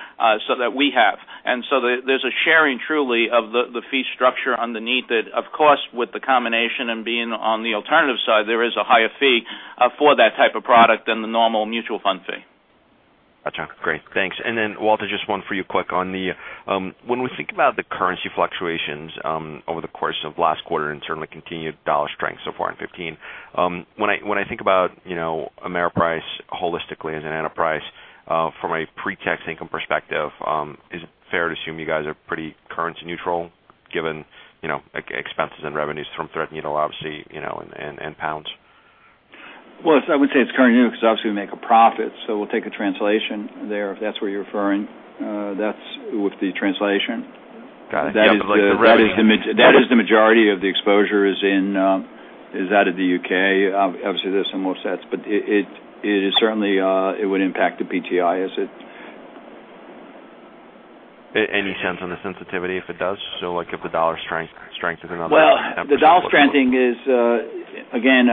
so that we have. There's a sharing, truly, of the fee structure underneath it. Of course, with the combination and being on the alternative side, there is a higher fee for that type of product than the normal mutual fund fee. Got you. Great. Thanks. Walter, just one for you quick. When we think about the currency fluctuations over the course of last quarter and certainly continued dollar strength so far in 2015, when I think about Ameriprise holistically as an enterprise from a pre-tax income perspective, is it fair to assume you guys are pretty currency neutral given expenses and revenues from Threadneedle obviously, and pounds? Well, I would say it's currency neutral because obviously we make a profit, we'll take a translation there, if that's what you're referring. That's with the translation. Got it. Yeah. The revenue- That is the majority of the exposure is out of the U.K. Obviously, there's some offsets, but it would impact the PTI, is it? Any sense on the sensitivity if it does? If the dollar strength is another 10% or so. Well, the dollar strengthening is, again,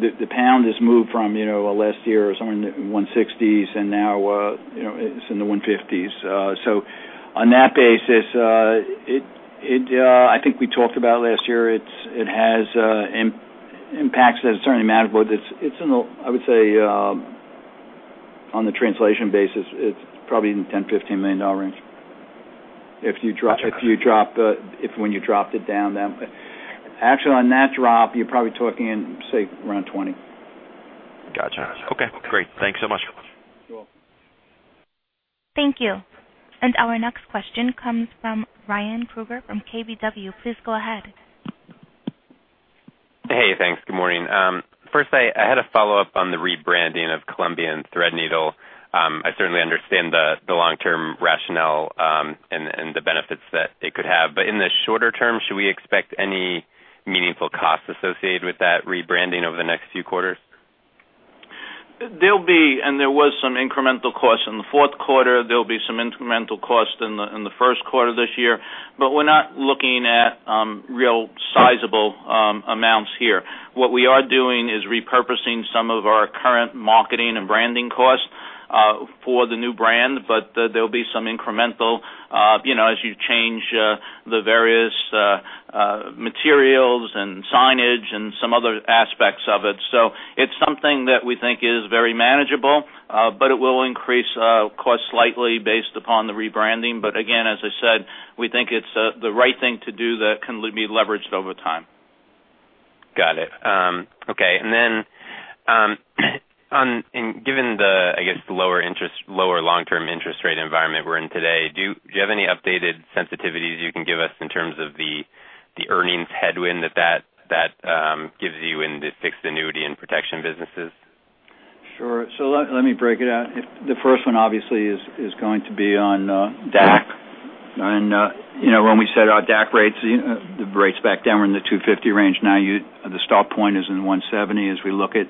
the pound has moved from last year or somewhere in the 160s, and now it's in the 150s. On that basis, I think we talked about it last year. It has impacts that it's certainly manageable. I would say on the translation basis, it's probably in the $10 million-$15 million range when you dropped it down that way. Actually, on that drop, you're probably talking say around $20. Got you. Okay, great. Thanks so much. You're welcome. Thank you. Our next question comes from Ryan Krueger from KBW. Please go ahead. Hey, thanks. Good morning. First I had a follow-up on the rebranding of Columbia Threadneedle. I certainly understand the long-term rationale and the benefits that it could have. In the shorter term, should we expect any meaningful costs associated with that rebranding over the next few quarters? There'll be, there was some incremental costs in the fourth quarter. There'll be some incremental costs in the first quarter of this year. We're not looking at real sizable amounts here. What we are doing is repurposing some of our current marketing and branding costs for the new brand. There'll be some incremental as you change the various materials and signage and some other aspects of it. It's something that we think is very manageable, but it will increase cost slightly based upon the rebranding. Again, as I said, we think it's the right thing to do that can be leveraged over time. Got it. Okay. Given the, I guess, lower long-term interest rate environment we're in today, do you have any updated sensitivities you can give us in terms of the earnings headwind that that gives you in the fixed annuity and protection businesses? Sure. Let me break it out. The first one obviously is going to be on DAC. When we set our DAC rates, the rates back down, we're in the 250 range. Now, the start point is in 170 as we look at,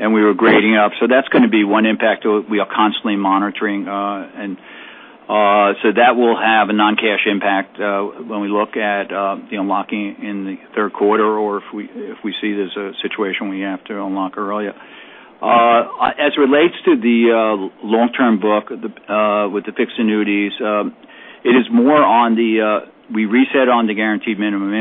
we were grading up. That's going to be one impact we are constantly monitoring. That will have a non-cash impact when we look at unlocking in the third quarter or if we see there's a situation we have to unlock earlier. As it relates to the long-term book with the fixed annuities, we reset on the guaranteed minimum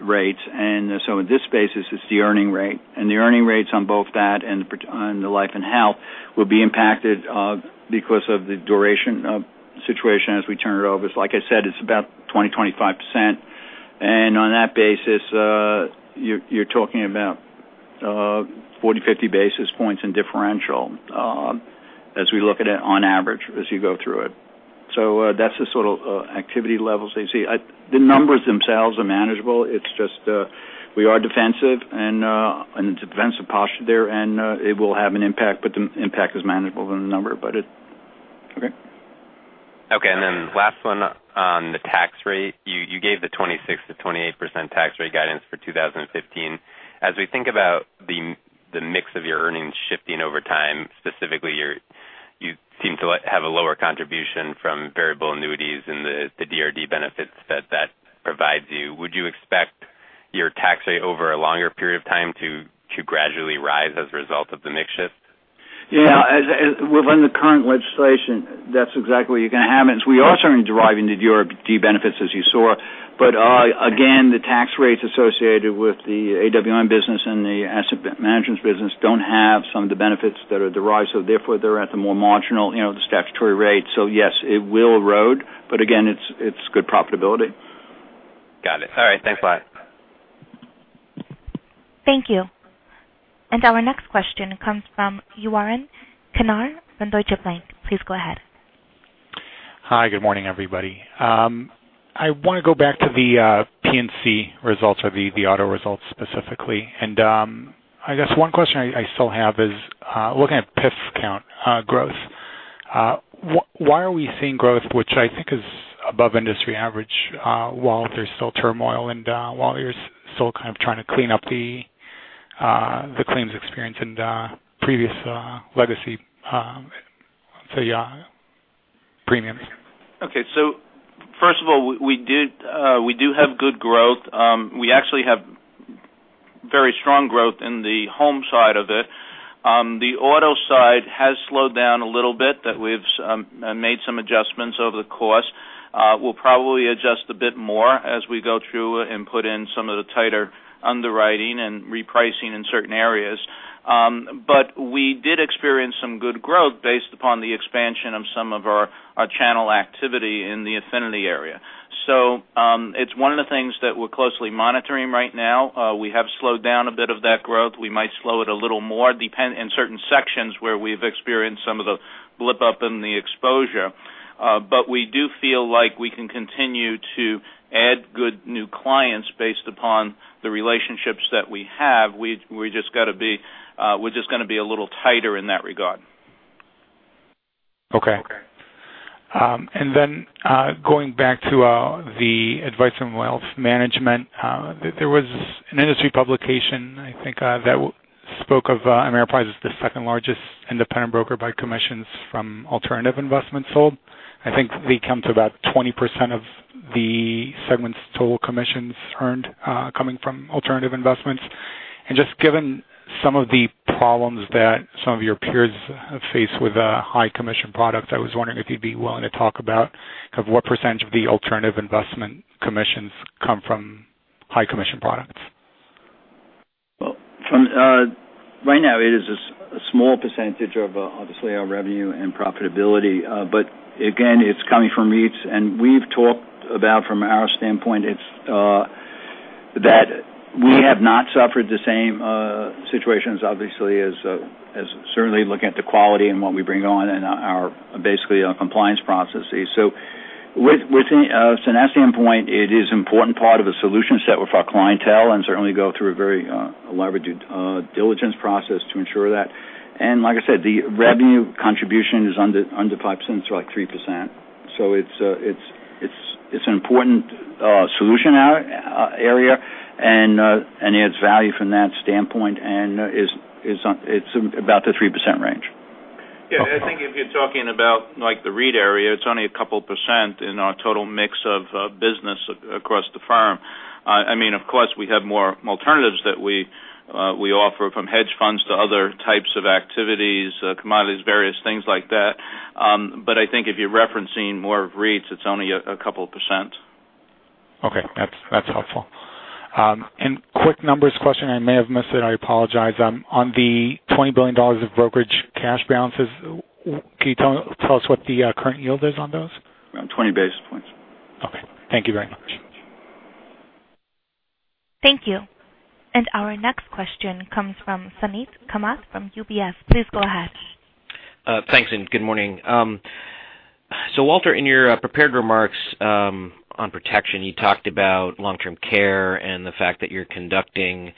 rates, in this space, it's the earning rate. The earning rates on both that and the life and health will be impacted because of the duration of the situation as we turn it over. Like I said, it's about 20%-25%. On that basis, you're talking about 40, 50 basis points in differential as we look at it on average as you go through it. That's the sort of activity levels that you see. The numbers themselves are manageable. It's just we are defensive, it's a defensive posture there, it will have an impact, but the impact is manageable than the number. Okay. Last one on the tax rate. You gave the 26%-28% tax rate guidance for 2015. As we think about the mix of your earnings shifting over time, specifically, you seem to have a lower contribution from variable annuities and the DRD benefits that that provides you. Would you expect your tax rate over a longer period of time to gradually rise as a result of the mix shift? Yeah. Within the current legislation, that's exactly what you're going to have. We are starting to derive into DRD benefits, as you saw. Again, the tax rates associated with the AWM business and the asset management business don't have some of the benefits that are derived, therefore, they're at the more marginal, the statutory rate. Yes, it will erode, but again, it's good profitability. Got it. All right. Thanks. Bye. Thank you. Our next question comes from Yaron Kinar from Deutsche Bank. Please go ahead. Hi. Good morning, everybody. I want to go back to the P&C results or the auto results specifically. I guess one question I still have is looking at PIF count growth. Why are we seeing growth, which I think is above industry average, while there's still turmoil and while you're still kind of trying to clean up the claims experience and previous legacy premiums. Okay. First of all, we do have good growth. We actually have very strong growth in the home side of it. The auto side has slowed down a little bit that we've made some adjustments over the course. We'll probably adjust a bit more as we go through and put in some of the tighter underwriting and repricing in certain areas. We did experience some good growth based upon the expansion of some of our channel activity in the affinity area. It's one of the things that we're closely monitoring right now. We have slowed down a bit of that growth. We might slow it a little more in certain sections where we've experienced some of the blip up in the exposure. We do feel like we can continue to add good new clients based upon the relationships that we have. We're just going to be a little tighter in that regard. Okay. Going back to the Advice and Wealth Management, there was an industry publication, I think, that spoke of Ameriprise as the second-largest independent broker by commissions from alternative investments sold. I think they come to about 20% of the segment's total commissions earned coming from alternative investments. Just given some of the problems that some of your peers have faced with high commission products, I was wondering if you'd be willing to talk about what percentage of the alternative investment commissions come from high commission products. Well, right now it is a small percentage of obviously our revenue and profitability. Again, it's coming from REITs. We've talked about, from our standpoint, that we have not suffered the same situations, obviously, as certainly looking at the quality and what we bring on in our basically compliance processes. From our standpoint, it is important part of the solution set with our clientele and certainly go through a very elaborate due diligence process to ensure that. Like I said, the revenue contribution is under 5%, so like 3%. It's an important solution area, and adds value from that standpoint, and it's about the 3% range. Okay. Yeah, I think if you're talking about the REIT area, it's only a couple of % in our total mix of business across the firm. Of course, we have more alternatives that we offer, from hedge funds to other types of activities, commodities, various things like that. I think if you're referencing more of REITs, it's only a couple of %. Okay. That's helpful. Quick numbers question, I may have missed it, I apologize. On the $20 billion of brokerage cash balances, can you tell us what the current yield is on those? Around 20 basis points. Okay. Thank you very much. Thank you. Our next question comes from Suneet Kamath from UBS. Please go ahead. Thanks, good morning. Walter, in your prepared remarks on protection, you talked about long-term care and the fact that you're conducting,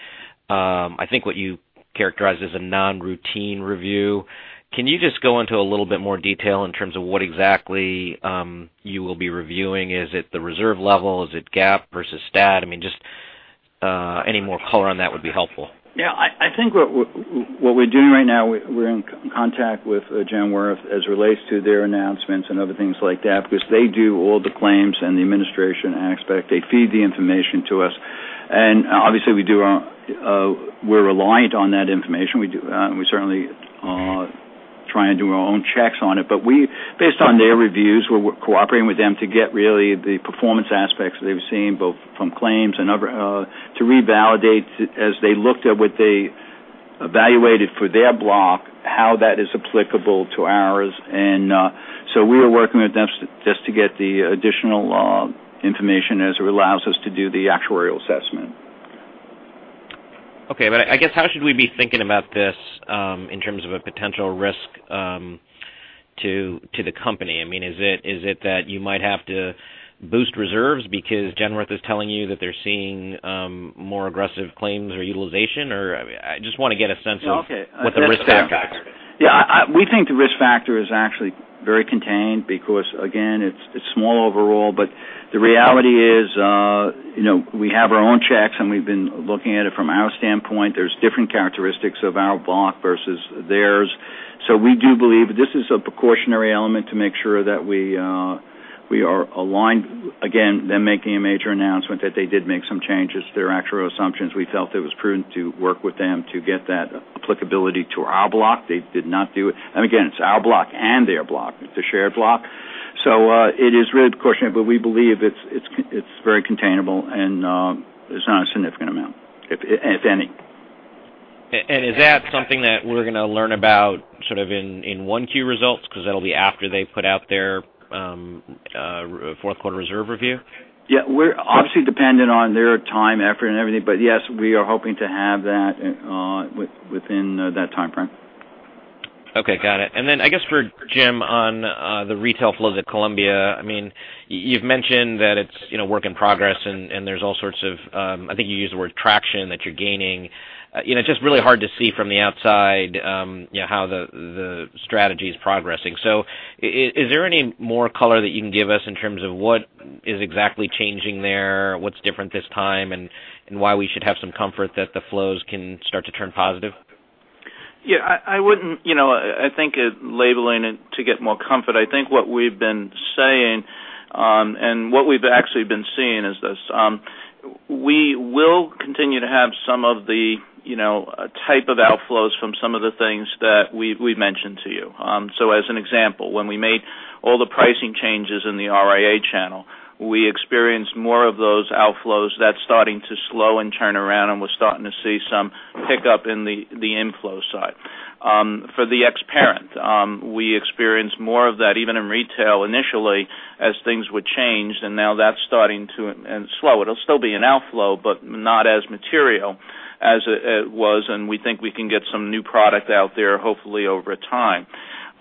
I think what you characterized as a non-routine review. Can you just go into a little bit more detail in terms of what exactly you will be reviewing? Is it the reserve level? Is it GAAP versus STAT? Just any more color on that would be helpful. Yeah, I think what we're doing right now, we're in contact with Genworth as it relates to their announcements and other things like that, because they do all the claims and the administration aspect. They feed the information to us. Obviously we're reliant on that information. We certainly try and do our own checks on it. Based on their reviews, we're cooperating with them to get really the performance aspects they've seen, both from claims and other, to revalidate as they looked at what they evaluated for their block, how that is applicable to ours. We are working with them just to get the additional information as it allows us to do the actuarial assessment. Okay. I guess how should we be thinking about this in terms of a potential risk to the company? Is it that you might have to boost reserves because Genworth is telling you that they're seeing more aggressive claims or utilization? I just want to get a sense of. Okay. what the risk factor is. Yeah. We think the risk factor is actually very contained because, again, it's small overall, but the reality is we have our own checks and we've been looking at it from our standpoint. There's different characteristics of our block versus theirs. We do believe this is a precautionary element to make sure that we are aligned. Again, them making a major announcement that they did make some changes to their actuarial assumptions. We felt it was prudent to work with them to get that applicability to our block. They did not do it. Again, it's our block and their block. It's a shared block. It is really precautionary, but we believe it's very containable and it's not a significant amount, if any. Is that something that we're going to learn about sort of in 1Q results? Because that'll be after they put out their fourth quarter reserve review. Yeah. We're obviously dependent on their time, effort, and everything. Yes, we are hoping to have that within that timeframe. Okay, got it. I guess for Jim on the retail flow at Columbia. You've mentioned that it's work in progress and there's all sorts of, I think you used the word traction that you're gaining. Just really hard to see from the outside how the strategy is progressing. Is there any more color that you can give us in terms of what is exactly changing there, what's different this time, and why we should have some comfort that the flows can start to turn positive? Yeah. I think labeling it to get more comfort, I think what we've been saying, and what we've actually been seeing is this. We will continue to have some of the type of outflows from some of the things that we've mentioned to you. As an example, when we made all the pricing changes in the RIA channel, we experienced more of those outflows. That's starting to slow and turn around, and we're starting to see some pickup in the inflow side. For the ex parent, we experienced more of that even in retail initially as things would change, and now that's starting to slow. It'll still be an outflow, but not as material as it was, and we think we can get some new product out there, hopefully over time.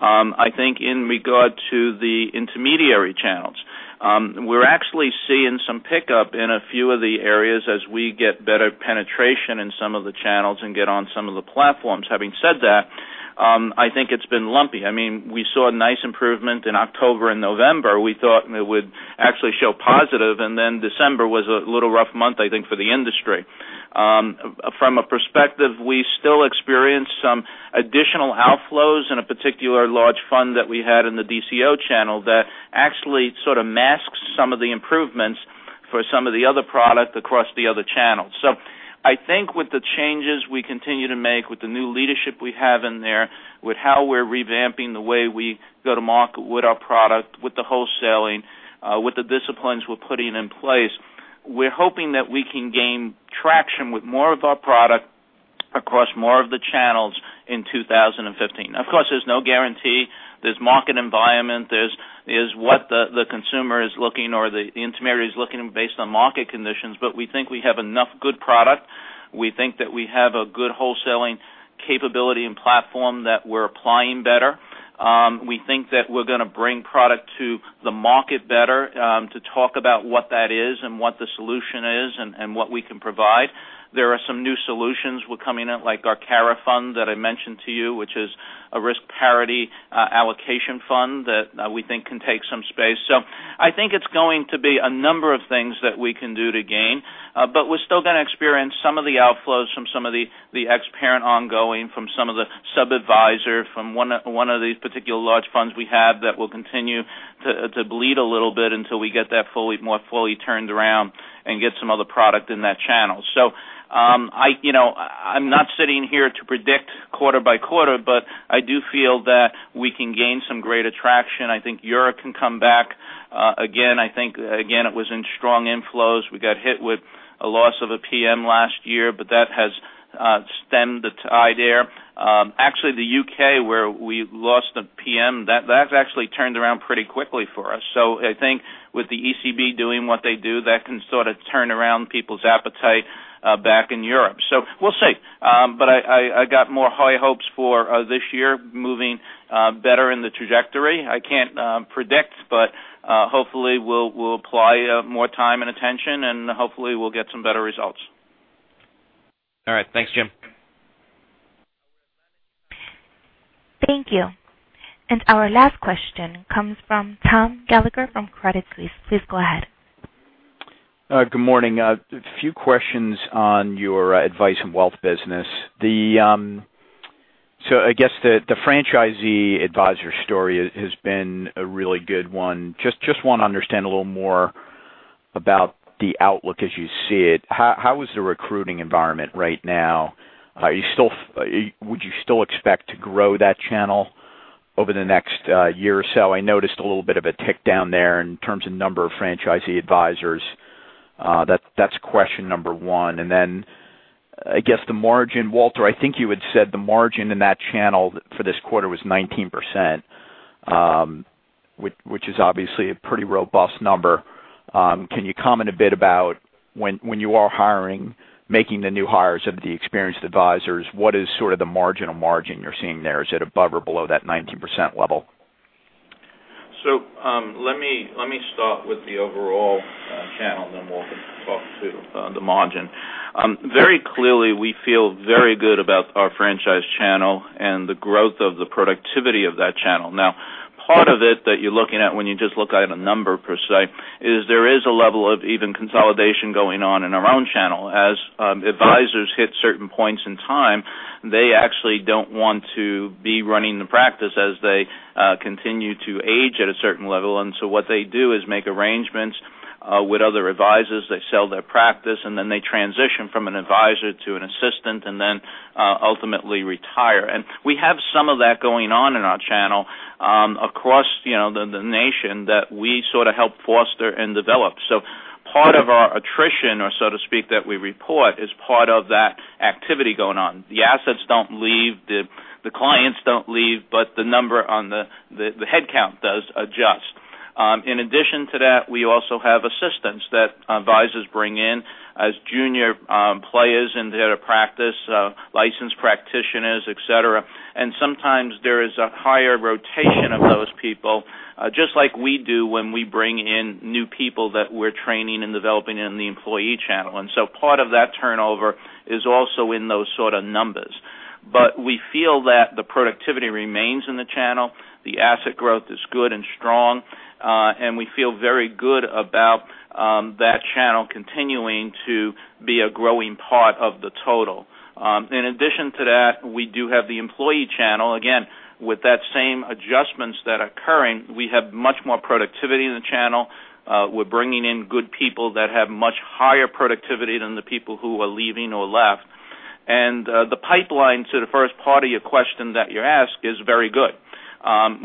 I think in regard to the intermediary channels, we're actually seeing some pickup in a few of the areas as we get better penetration in some of the channels and get on some of the platforms. Having said that, I think it's been lumpy. We saw a nice improvement in October and November. We thought it would actually show positive, December was a little rough month, I think, for the industry. From a perspective, we still experience some additional outflows in a particular large fund that we had in the DCIO channel that actually sort of masks some of the improvements for some of the other product across the other channels. I think with the changes we continue to make, with the new leadership we have in there, with how we're revamping the way we go to market with our product, with the wholesaling, with the disciplines we're putting in place. We're hoping that we can gain traction with more of our product across more of the channels in 2015. Of course, there's no guarantee. There's market environment, there's what the consumer is looking or the intermediary is looking based on market conditions. We think we have enough good product. We think that we have a good wholesaling capability and platform that we're applying better. We think that we're going to bring product to the market better, to talk about what that is and what the solution is and what we can provide. There are some new solutions we're coming at, like our CARA fund that I mentioned to you, which is a risk parity allocation fund that we think can take some space. I think it's going to be a number of things that we can do to gain. We're still going to experience some of the outflows from some of the ex-parent ongoing, from some of the sub-adviser, from one of the particular large funds we have that will continue to bleed a little bit until we get that more fully turned around and get some other product in that channel. I'm not sitting here to predict quarter by quarter, but I do feel that we can gain some greater traction. I think Europe can come back again. I think, again, it was in strong inflows. We got hit with a loss of a PM last year, but that has stemmed the tide there. Actually, the U.K., where we've lost a PM, that's actually turned around pretty quickly for us. I think with the ECB doing what they do, that can sort of turn around people's appetite back in Europe. We'll see. I got more high hopes for this year moving better in the trajectory. I can't predict, but hopefully we'll apply more time and attention, and hopefully we'll get some better results. All right. Thanks, Jim. Thank you. Our last question comes from Tom Gallagher from Credit Suisse. Please go ahead. Good morning. I have a few questions on your Advice and Wealth business. I guess the franchisee advisor story has been a really good one. I just want to understand a little more about the outlook as you see it. How is the recruiting environment right now? Would you still expect to grow that channel over the next year or so? I noticed a little bit of a tick down there in terms of number of franchisee advisors. That's question number 1. I guess the margin, Walter, I think you had said the margin in that channel for this quarter was 19%, which is obviously a pretty robust number. Can you comment a bit about when you are hiring, making the new hires of the experienced advisors, what is sort of the margin you're seeing there? Is it above or below that 19% level? Let me start with the overall channel. We'll talk through the margin. Very clearly, we feel very good about our franchise channel and the growth of the productivity of that channel. Part of it that you're looking at when you just look at a number per se, is there is a level of even consolidation going on in our own channel. As advisors hit certain points in time, they actually don't want to be running the practice as they continue to age at a certain level. What they do is make arrangements with other advisors. They sell their practice. They transition from an advisor to an assistant, and ultimately retire. We have some of that going on in our channel across the nation that we sort of help foster and develop. Part of our attrition, or so to speak, that we report is part of that activity going on. The assets don't leave, the clients don't leave, but the number on the headcount does adjust. In addition to that, we also have assistants that advisors bring in as junior players into their practice, licensed practitioners, et cetera. Sometimes there is a higher rotation of those people, just like we do when we bring in new people that we're training and developing in the employee channel. Part of that turnover is also in those sort of numbers. We feel that the productivity remains in the channel, the asset growth is good and strong. We feel very good about that channel continuing to be a growing part of the total. In addition to that, we do have the employee channel. Again, with that same adjustments that are occurring, we have much more productivity in the channel. We're bringing in good people that have much higher productivity than the people who were leaving or left. The pipeline to the first part of your question that you asked is very good.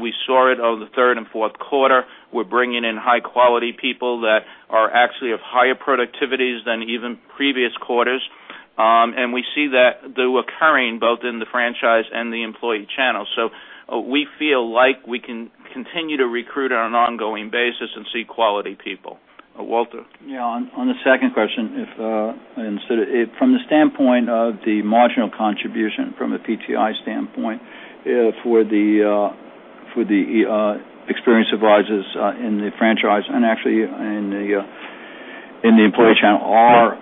We saw it over the third and fourth quarter. We're bringing in high-quality people that are actually of higher productivities than even previous quarters. We see that they're occurring both in the franchise and the employee channel. We feel like we can continue to recruit on an ongoing basis and see quality people. Walter. Yeah, on the second question, from the standpoint of the marginal contribution from a PTI standpoint for the experienced advisors in the franchise and actually in the employee channel are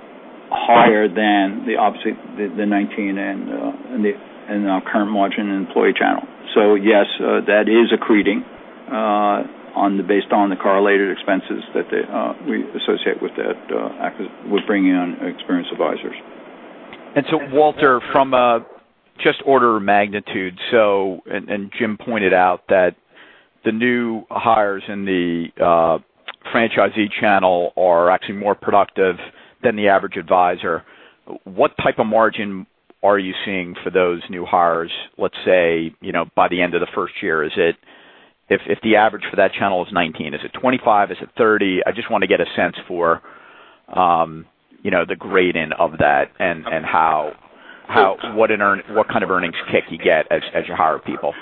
higher than the obviously, the 19% and our current margin in employee channel. Yes, that is accreting based on the correlated expenses that we associate with bringing in experienced advisors. Walter, from just order of magnitude, and Jim pointed out that the new hires in the franchisee channel are actually more productive than the average advisor. What type of margin are you seeing for those new hires, let's say, by the end of the first year? If the average for that channel is 19%, is it 25%? Is it 30%? I just want to get a sense for the gradient of that and what kind of earnings kick you get as you hire people.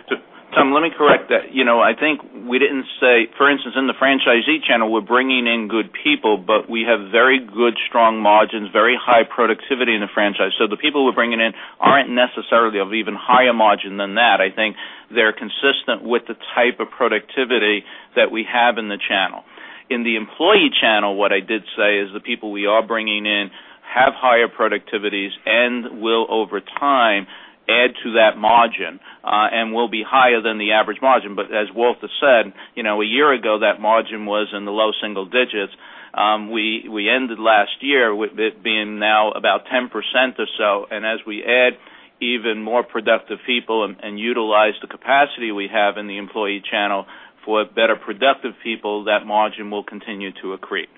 Tom, let me correct that. I think we didn't say, for instance, in the franchisee channel, we're bringing in good people, but we have very good, strong margins, very high productivity in the franchise. The people we're bringing in aren't necessarily of even higher margin than that. I think they're consistent with the type of productivity that we have in the channel. In the employee channel, what I did say is the people we are bringing in have higher productivities and will, over time, add to that margin, and will be higher than the average margin. As Walter said, a year ago, that margin was in the low single digits. We ended last year with it being now about 10% or so. As we add even more productive people and utilize the capacity we have in the employee channel for better productive people, that margin will continue to accrete.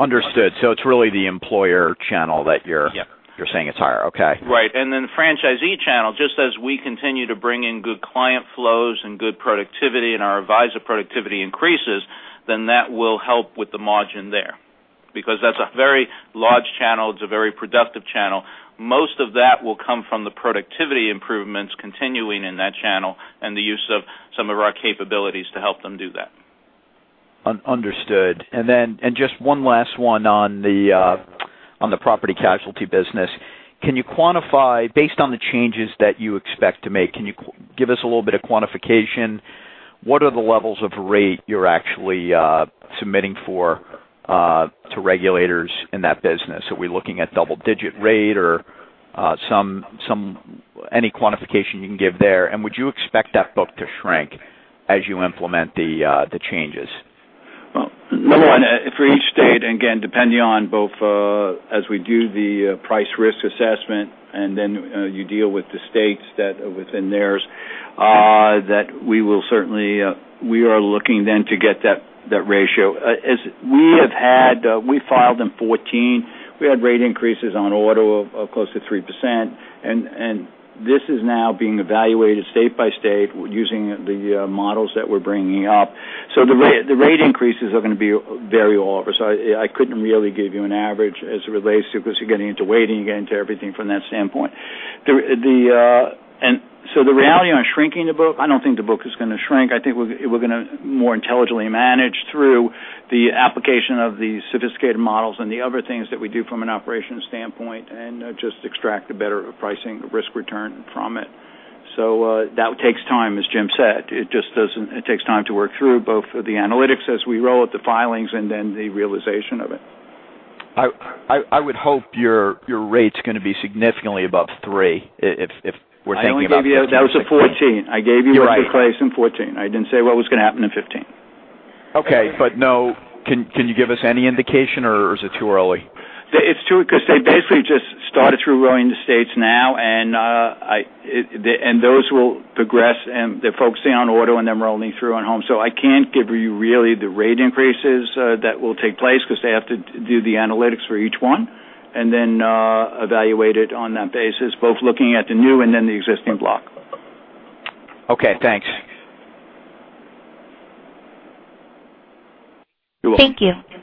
Understood. it's really the employer channel that you're- Yeah you're saying it's higher. Okay. Right. then franchisee channel, just as we continue to bring in good client flows and good productivity and our advisor productivity increases, then that will help with the margin there. that's a very large channel. It's a very productive channel. Most of that will come from the productivity improvements continuing in that channel and the use of some of our capabilities to help them do that. Understood. just one last one on the property casualty business. Based on the changes that you expect to make, can you give us a little bit of quantification? What are the levels of rate you're actually submitting to regulators in that business? Are we looking at double-digit rate or any quantification you can give there? would you expect that book to shrink as you implement the changes? Well, number one, for each state, again, depending on both as we do the price risk assessment and then you deal with the states that are within theirs, that we are looking then to get that ratio. We filed in 2014. We had rate increases on auto of close to 3%, and this is now being evaluated state by state using the models that we're bringing up. The rate increases are going to vary all over. I couldn't really give you an average as it relates to because you're getting into weighting, you get into everything from that standpoint. The reality on shrinking the book, I don't think the book is going to shrink. I think we're going to more intelligently manage through the application of the sophisticated models and the other things that we do from an operations standpoint and just extract the better pricing risk return from it. That takes time, as Jim said. It takes time to work through both the analytics as we roll out the filings and then the realization of it. I would hope your rate's going to be significantly above three, if we're thinking about. That was a 2014. I gave you. You're right price in 2014. I didn't say what was going to happen in 2015. Okay. Can you give us any indication, or is it too early? It's too, because they basically just started through rolling the states now, and those will progress, and they're focusing on auto, and then we're only through on home. I can't give you really the rate increases that will take place because they have to do the analytics for each one and then evaluate it on that basis, both looking at the new and then the existing block. Okay, thanks. You're welcome. Thank you.